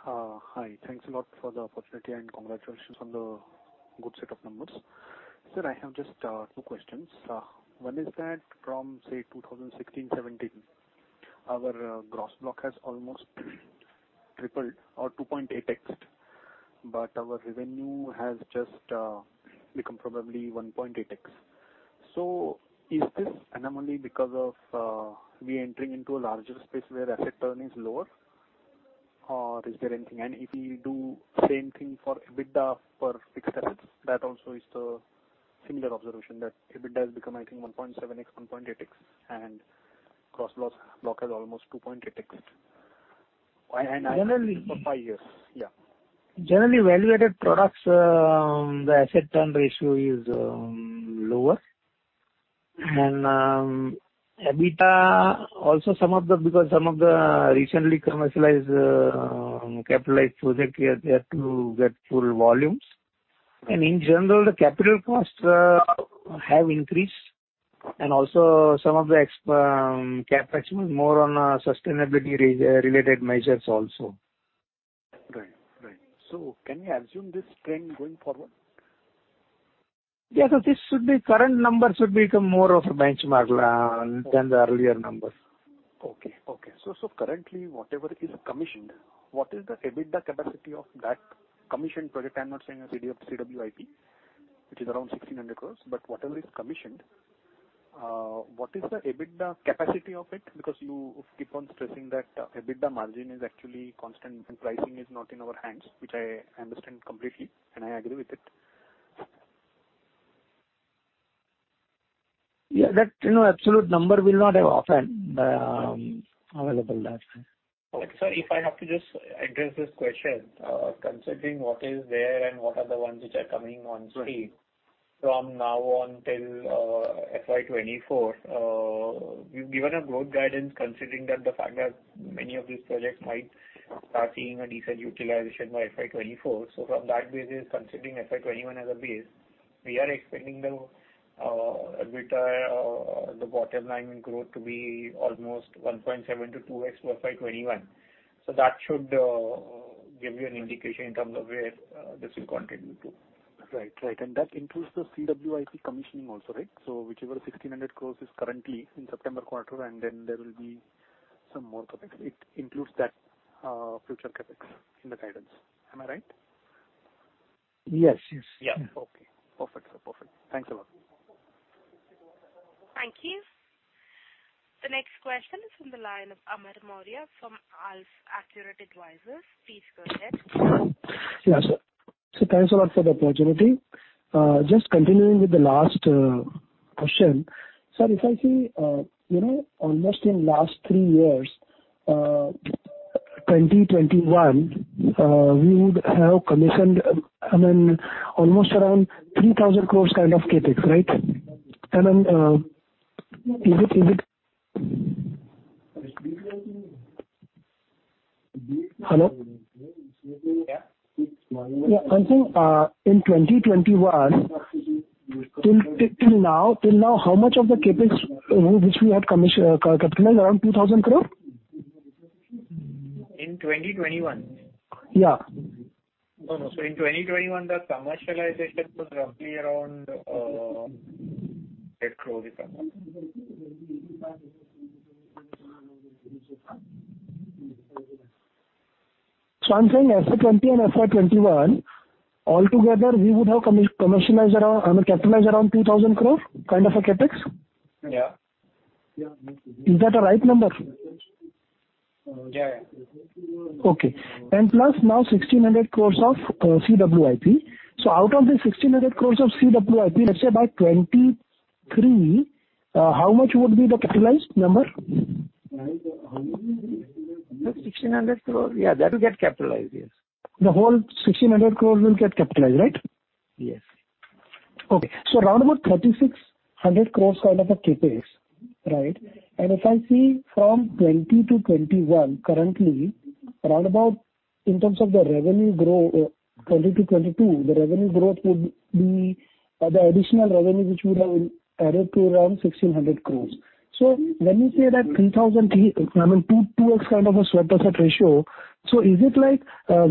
Hi. Thanks a lot for the opportunity, and congratulations on the good set of numbers. Sir, I have just two questions. One is that from, say, 2016-17, our gross block has almost tripled or 2.8x, but our revenue has just become probably 1.8x. Is this anomaly because of we entering into a larger space where asset turn is lower or is there anything? If we do same thing for EBITDA per fixed assets, that also is the similar observation that EBITDA has become, I think, 1.7x, 1.8x and gross block has almost 2.8x. For 5 years. Generally, value-added products, the asset turn ratio is lower. EBITDA also, because some of the recently commercialized capitalized projects yet to get full volumes. In general, the capital costs have increased. Also some of the CapEx was more on sustainability-related measures also. Right. Can we assume this trend going forward? Yeah. This should be current numbers should become more of a benchmark than the earlier numbers. Currently whatever is commissioned, what is the EBITDA capacity of that commissioned project? I'm not saying CWIP, which is around 1,600 crore, but whatever is commissioned, what is the EBITDA capacity of it? Because you keep on stressing that EBITDA margin is actually constant and pricing is not in our hands, which I understand completely, and I agree with it. Yeah. That, you know, absolute number will not often be available there, sir. Sir, if I have to just address this question, considering what is there and what are the ones which are coming on stream from now until FY 2024, we've given a growth guidance considering that the fact that many of these projects might start seeing a decent utilization by FY 2024. From that basis, considering FY 2021 as a base, we are expecting the EBITDA, the bottom line growth to be almost 1.7-2x for FY 2021. That should give you an indication in terms of where this will contribute to. Right. That includes the CWIP commissioning also, right? Whichever 1,600 crore is currently in September quarter, and then there will be some more CapEx. It includes that, future CapEx in the guidance. Am I right? Yes. Yes. Yeah. Okay. Perfect, sir. Perfect. Thanks a lot. Thank you. The next question is from the line of Amit Murarka from AlfAccurate Advisors. Please go ahead. Thanks a lot for the opportunity. Just continuing with the last question. Sir, if I see, almost in the last 3 years, 2021, we would have commissioned, I mean, almost around 3,000 crore kind of CapEx, right? Then, is it? Hello? Yeah. Yeah, I'm saying, in 2021 till now, how much of the CapEx which we had capitalized, around 2,000 crore? In 2021? Yeah. No, no. In 2021, the commercialization was roughly around INR 8 crore, roughly. I'm saying FY 2020 and FY 2021, altogether we would have capitalized around 2,000 crore, kind of a CapEx? Yeah. Is that the right number? Yeah, yeah. Plus now 1,600 crore of CWIP. Out of the 1,600 crore of CWIP, let's say by 2023, how much would be the capitalized number? 1,600 crore. Yeah, that will get capitalized, yes. The whole 1,600 crore will get capitalized, right? Yes. Okay. Around about 3,600 crore kind of a CapEx, right? If I see from 2020 to 2021, currently, around about, in terms of the revenue growth, 2020 to 2022, the revenue growth would be the additional revenue which would have added to around 1,600 crore. When you say that three thousand, I mean, 2x kind of a swap asset ratio, is it, like,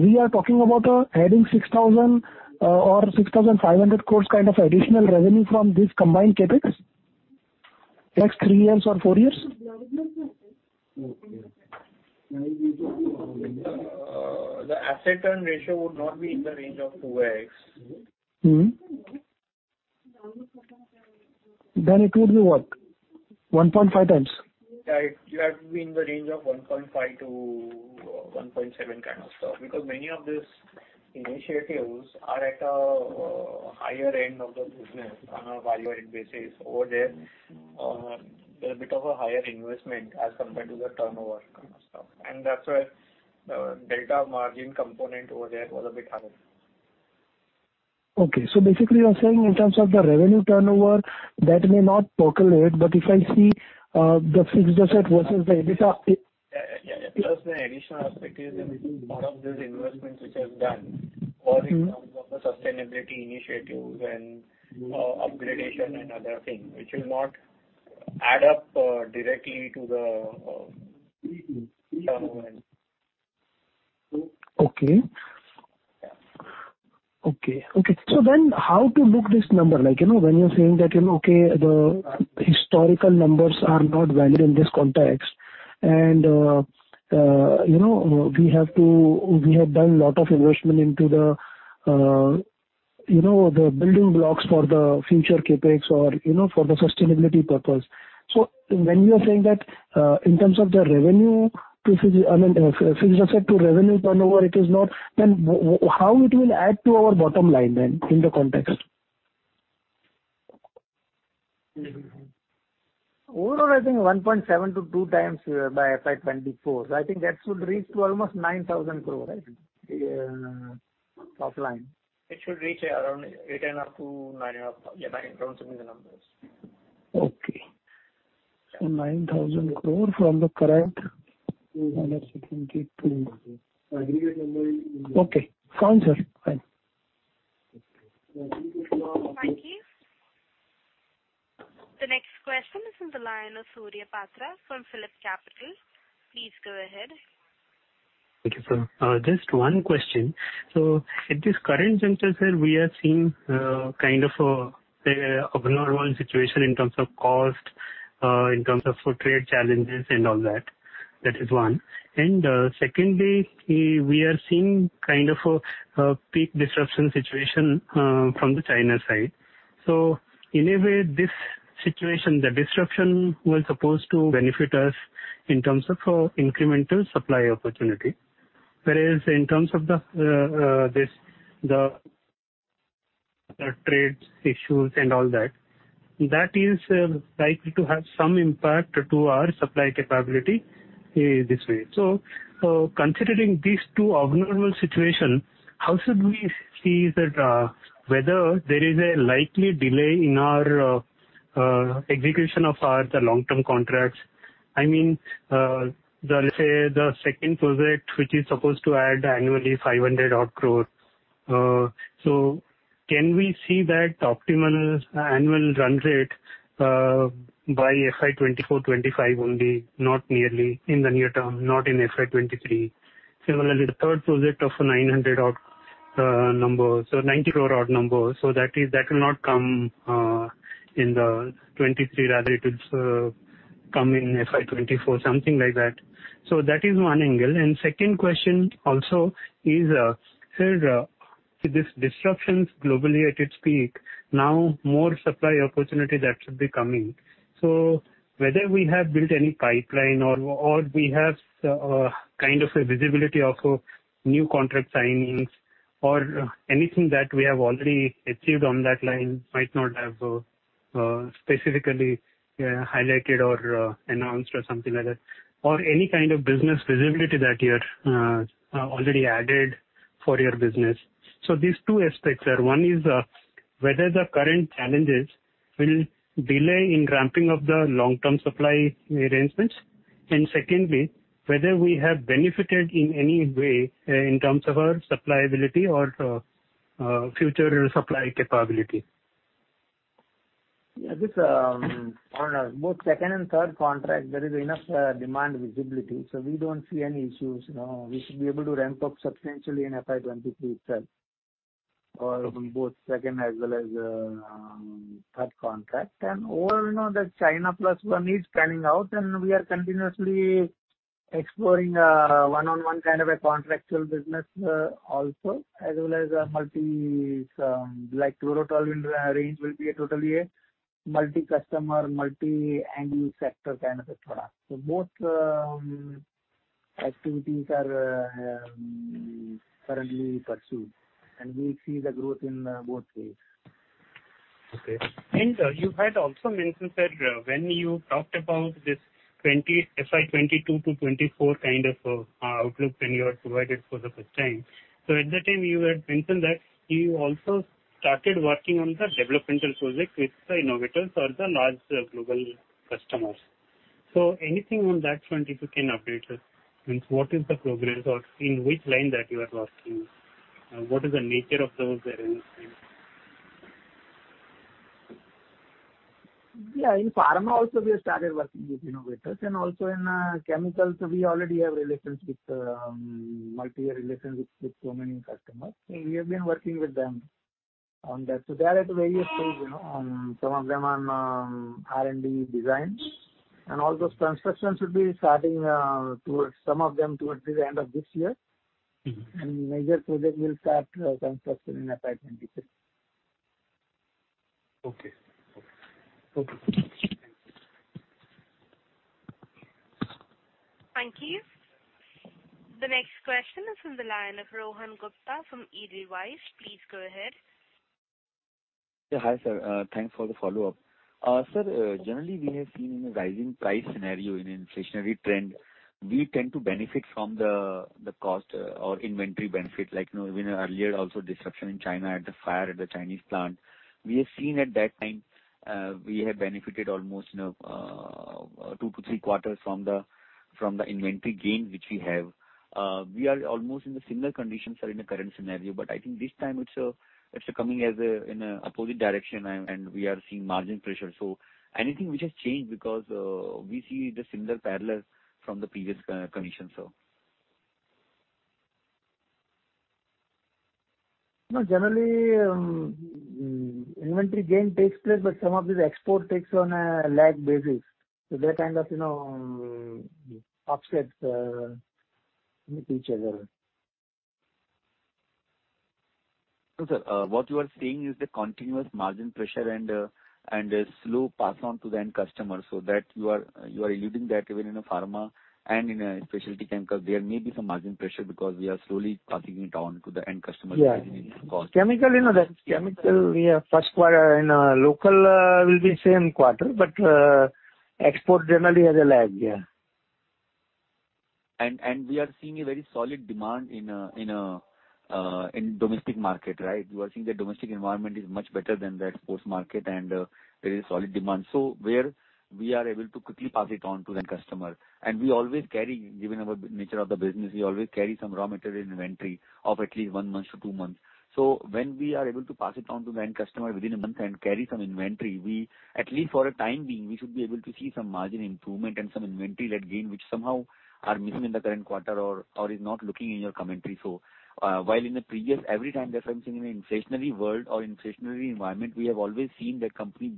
we are talking about adding 6,000 or 6,500 crore kind of additional revenue from this combined CapEx next three years or four years? The asset turn ratio would not be in the range of 2x. It would be what? 1.5 times? It would have to be in the range of 1.5-1.7 kind of stuff. Because many of these initiatives are at a higher end of the business on a value add basis over there. There are a bit of a higher investment as compared to the turnover kind of stuff. That's where the delta margin component over there was a bit higher. Basically you're saying in terms of the revenue turnover, that may not percolate, but if I see, the fixed asset versus the EBITDA. Yeah, yeah. Plus the additional aspect is in part of these investments which are done or in terms of the sustainability initiatives and upgradation and other things, which will not add up directly to the turnover. How to look this number, like, you know, when you're saying that, you know, the historical numbers are not valid in this context and, you know, we have done lot of investment into the, you know, the building blocks for the future CapEx or, you know, for the sustainability purpose. When you are saying that, in terms of the revenue to fixed asset to revenue turnover, it is not, then how it will add to our bottom line then in the context? Overall, I think 1.7-2 times by FY 2024. I think that should reach to almost 9,000 crore, right? Top line. It should reach around 8.5-9.5. Yeah, around some of the numbers. Okay. 9,000 crore from the current INR 622 crore. Aggregate number. Okay. Fine, sir. Fine. Thank you. The next question is from the line of Surya Patra from PhillipCapital. Please go ahead. Thank you, sir. Just one question. At this current juncture, sir, we are seeing kind of abnormal situation in terms of cost, in terms of trade challenges and all that. That is one. Secondly, we are seeing kind of a peak disruption situation from the China side. In a way, this situation, the disruption was supposed to benefit us in terms of incremental supply opportunity. Whereas in terms of this, the trade issues and all that is likely to have some impact to our supply capability this way. Considering these two abnormal situation, how should we see that whether there is a likely delay in our execution of the long-term contracts? I mean, let's say the second project, which is supposed to add annually 500 crore odd, so can we see that optimal annual run rate by FY 2024/2025 only, not merely in the near term, not in FY 2023? Similarly, the third project of 90 crore odd, so that is, that will not come in the 2023, rather it will come in FY 2024, something like that. That is one angle. Second question also is, sir, with these disruptions globally at its peak, now more supply opportunity that should be coming. Whether we have built any pipeline or we have kind of a visibility of new contract signings or anything that we have already achieved on that line, might not have specifically highlighted or announced or something like that, or any kind of business visibility that you're already added for your business. These two aspects, sir. One is whether the current challenges will delay in ramping up the long-term supply arrangements. Secondly, whether we have benefited in any way in terms of our supply ability or future supply capability. Both second and third contract there is enough demand visibility, so we don't see any issues. We should be able to ramp up substantially in FY 2023 itself for both second as well as third contract. All you know that China Plus One is panning out and we are continuously exploring one-on-one kind of a contractual business, also, as well as a multi, some like chlorotoluenes, range will be totally a multi-customer, multi-angle sector kind of a product. Both activities are currently pursued and we see the growth in both ways. You had also mentioned that when you talked about this FY 2022 to 2024 kind of outlook when you have provided for the first time. At that time you had mentioned that you also started working on the developmental project with the innovators or the large global customers. Anything on that front if you can update us. Means what is the progress or in which line that you are working? What is the nature of those arrangements? Yeah, in pharma also we have started working with innovators. In chemicals we already have multi-year relations with so many customers. We have been working with them on that. They are at various stage, you know. Some of them on R&D designs. All those constructions should be starting towards some of them towards the end of this year. Mm-hmm. Major project will start construction in FY 2023. Okay. Okay. Okay. Thanks. Thank you. The next question is from the line of Rohan Gupta from Edelweiss. Please go ahead. Yeah, hi sir. Thanks for the follow-up. Sir, generally we have seen in the rising price scenario in inflationary trend, we tend to benefit from the cost or inventory benefit. Like, you know, even earlier also disruption in China at the fire at the Chinese plant. We have seen at that time, we have benefited almost, you know, two to three quarters from the inventory gain which we have. We are almost in the similar conditions or in the current scenario, but I think this time it's coming as a in a opposite direction and we are seeing margin pressure. Anything which has changed because we see the similar parallels from the previous condition. No, generally, inventory gain takes place, but some of the export takes on a lag basis. They kind of, you know, offset with each other. No, sir. What you are seeing is the continuous margin pressure and the slow pass-on to the end customer so that you are alluding that even in the pharma and in specialty chemical, there may be some margin pressure because we are slowly passing it on to the end customer. Yeah. within cost. Chemical, you know, that's chemical. We have first quarter in local will be same quarter, but export generally has a lag. Yeah. We are seeing a very solid demand in the domestic market, right? We are seeing the domestic environment is much better than the export market and there is solid demand. Where we are able to quickly pass it on to the end customer. We always carry, given our nature of the business, some raw material inventory of at least one month to two months. When we are able to pass it on to the end customer within a month and carry some inventory, we at least for a time being should be able to see some margin improvement and some inventory gain which somehow are missing in the current quarter or is not looking in your commentary. While in the previous every time they're facing an inflationary world or inflationary environment, we have always seen the company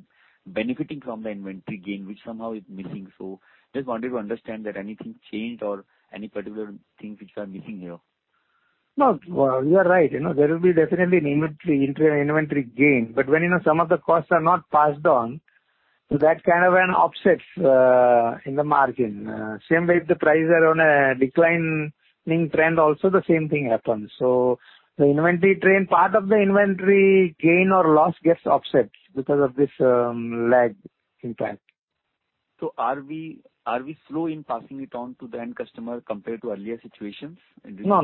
benefiting from the inventory gain which somehow is missing. Just wanted to understand that anything changed or any particular things which are missing here. No, you are right. You know, there will be definitely an inventory, intra-inventory gain. When you know some of the costs are not passed on, so that kind of an offsets in the margin. Same way if the prices are on a declining trend also the same thing happens. The inventory trend, part of the inventory gain or loss gets offsets because of this, lag impact. Are we slow in passing it on to the end customer compared to earlier situations in this? No.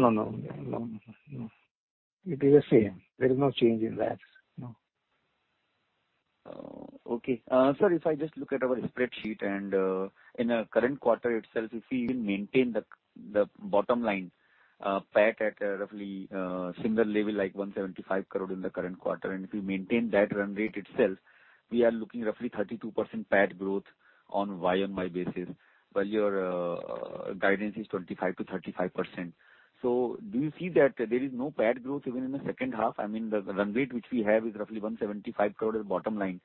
It is the same. There is no change in lags. No. Sir, if I just look at our spreadsheet and in current quarter itself, if we even maintain the bottom line PAT at roughly similar level like 175 crore in the current quarter, and if we maintain that run rate itself, we are looking roughly 32% PAT growth on YoY basis. While your guidance is 25%-35%. Do you see that there is no PAT growth even in the second half? I mean, the run rate which we have is roughly 175 crore at the bottom line.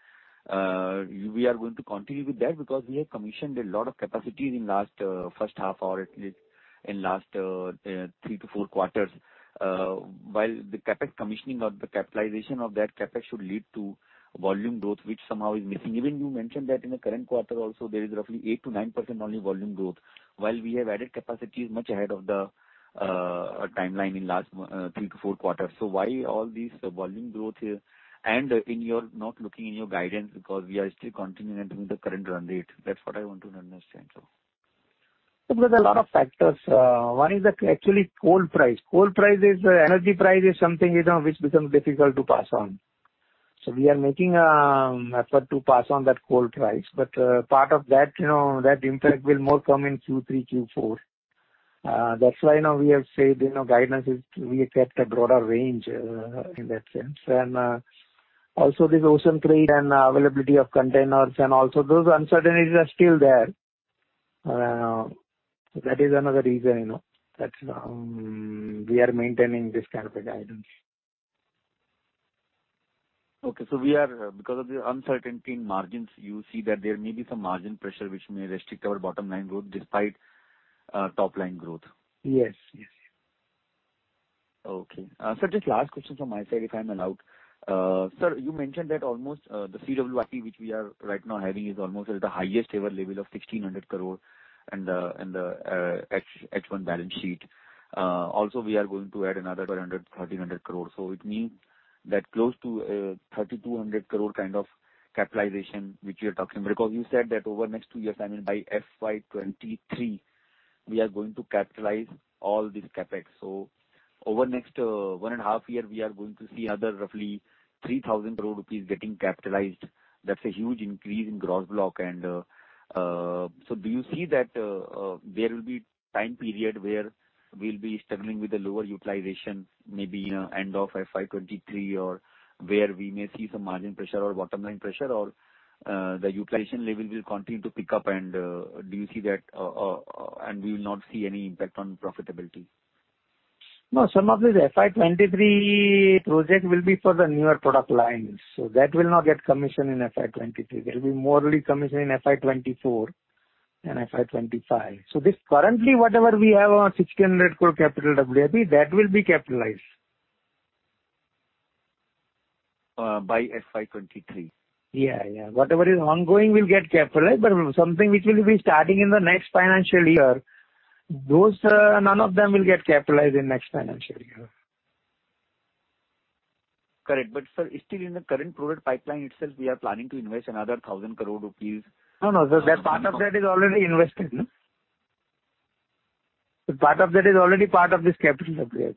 We are going to continue with that because we have commissioned a lot of capacities in last first half or at least in last 3-4 quarters. While the CapEx commissioning or the capitalization of that CapEx should lead to volume growth, which somehow is missing. Even you mentioned that in the current quarter also there is roughly 8%-9% only volume growth, while we have added capacity much ahead of the timeline in last three to four quarters. Why all these volume growth here and you're not locking in your guidance because we are still continuing the current run rate. That's what I want to understand. There's a lot of factors. One is the actual coal price. Coal price is, energy price is something, you know, which becomes difficult to pass on. We are making effort to pass on that coal price. Part of that, you know, that impact will more come in Q3, Q4. That's why now we have said, you know, guidance is we have kept a broader range, in that sense. Also this ocean trade and availability of containers, and also those uncertainties are still there. That is another reason, you know, that, we are maintaining this kind of a guidance. Because of the uncertainty in margins, you see that there may be some margin pressure which may restrict our bottom line growth despite top line growth. Yes. Yes. Okay. Sir, just last question from my side, if I'm allowed. Sir, you mentioned that almost the CWIP which we are right now having is almost at the highest ever level of 1,600 crore and H1 balance sheet. Also we are going to add another 1,300 crore. It means that close to 3,200 crore kind of capitalization which you're talking. Because you said that over the next two years, I mean, by FY 2023, we are going to capitalize all this CapEx. Over next 1.5 years, we are going to see another roughly 3,000 crore rupees getting capitalized. That's a huge increase in gross block. Do you see that there will be time period where we'll be struggling with the lower utilization, maybe, you know, end of FY 2023, or where we may see some margin pressure or bottom line pressure or the utilization level will continue to pick up and do you see that and we will not see any impact on profitability? No, some of these FY 2023 projects will be for the newer product lines, so that will not get commissioned in FY 2023. There'll be more commission in FY 2024 and FY 2025. This currently, whatever we have on 1,600 crore CWIP, that will be capitalized. By FY 2023. Yeah, yeah. Whatever is ongoing will get capitalized, but something which will be starting in the next financial year, those, none of them will get capitalized in next financial year. Correct. Sir, still in the current product pipeline itself, we are planning to invest another 1,000 crore rupees. No, no. That part of that is already invested. Part of that is already part of this capital WIP.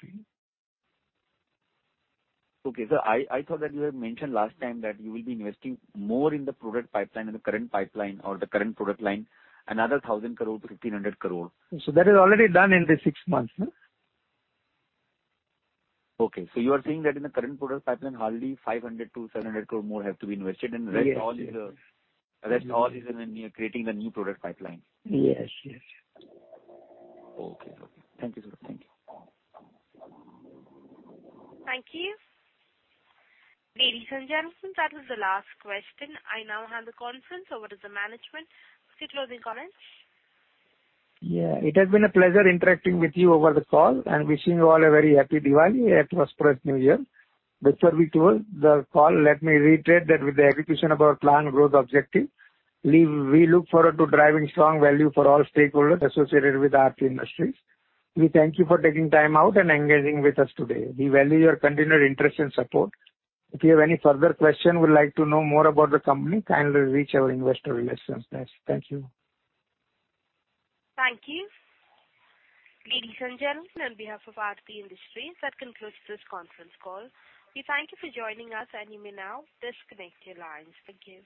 Okay. I thought that you had mentioned last time that you will be investing more in the product pipeline, in the current pipeline or the current product line, another 1,000 crore-1,500 crore. That is already done in the six months. Okay. You are saying that in the current product pipeline, hardly 500 crore-700 crore more have to be invested. Yes. Rest all is in creating the new product pipeline. Yes, yes. Okay. Thank you, sir. Thank you. Thank you. Ladies and gentlemen, that is the last question. I now hand the conference over to the management for closing comments. Yeah. It has been a pleasure interacting with you over the call and wishing you all a very happy Diwali and prosperous New Year. Before we close the call, let me reiterate that with the execution of our planned growth objective, we look forward to driving strong value for all stakeholders associated with Aarti Industries. We thank you for taking time out and engaging with us today. We value your continued interest and support. If you have any further question, would like to know more about the company, kindly reach our investor relations desk. Thank you. Thank you. Ladies and gentlemen, on behalf of Aarti Industries, that concludes this conference call. We thank you for joining us and you may now disconnect your lines. Thank you.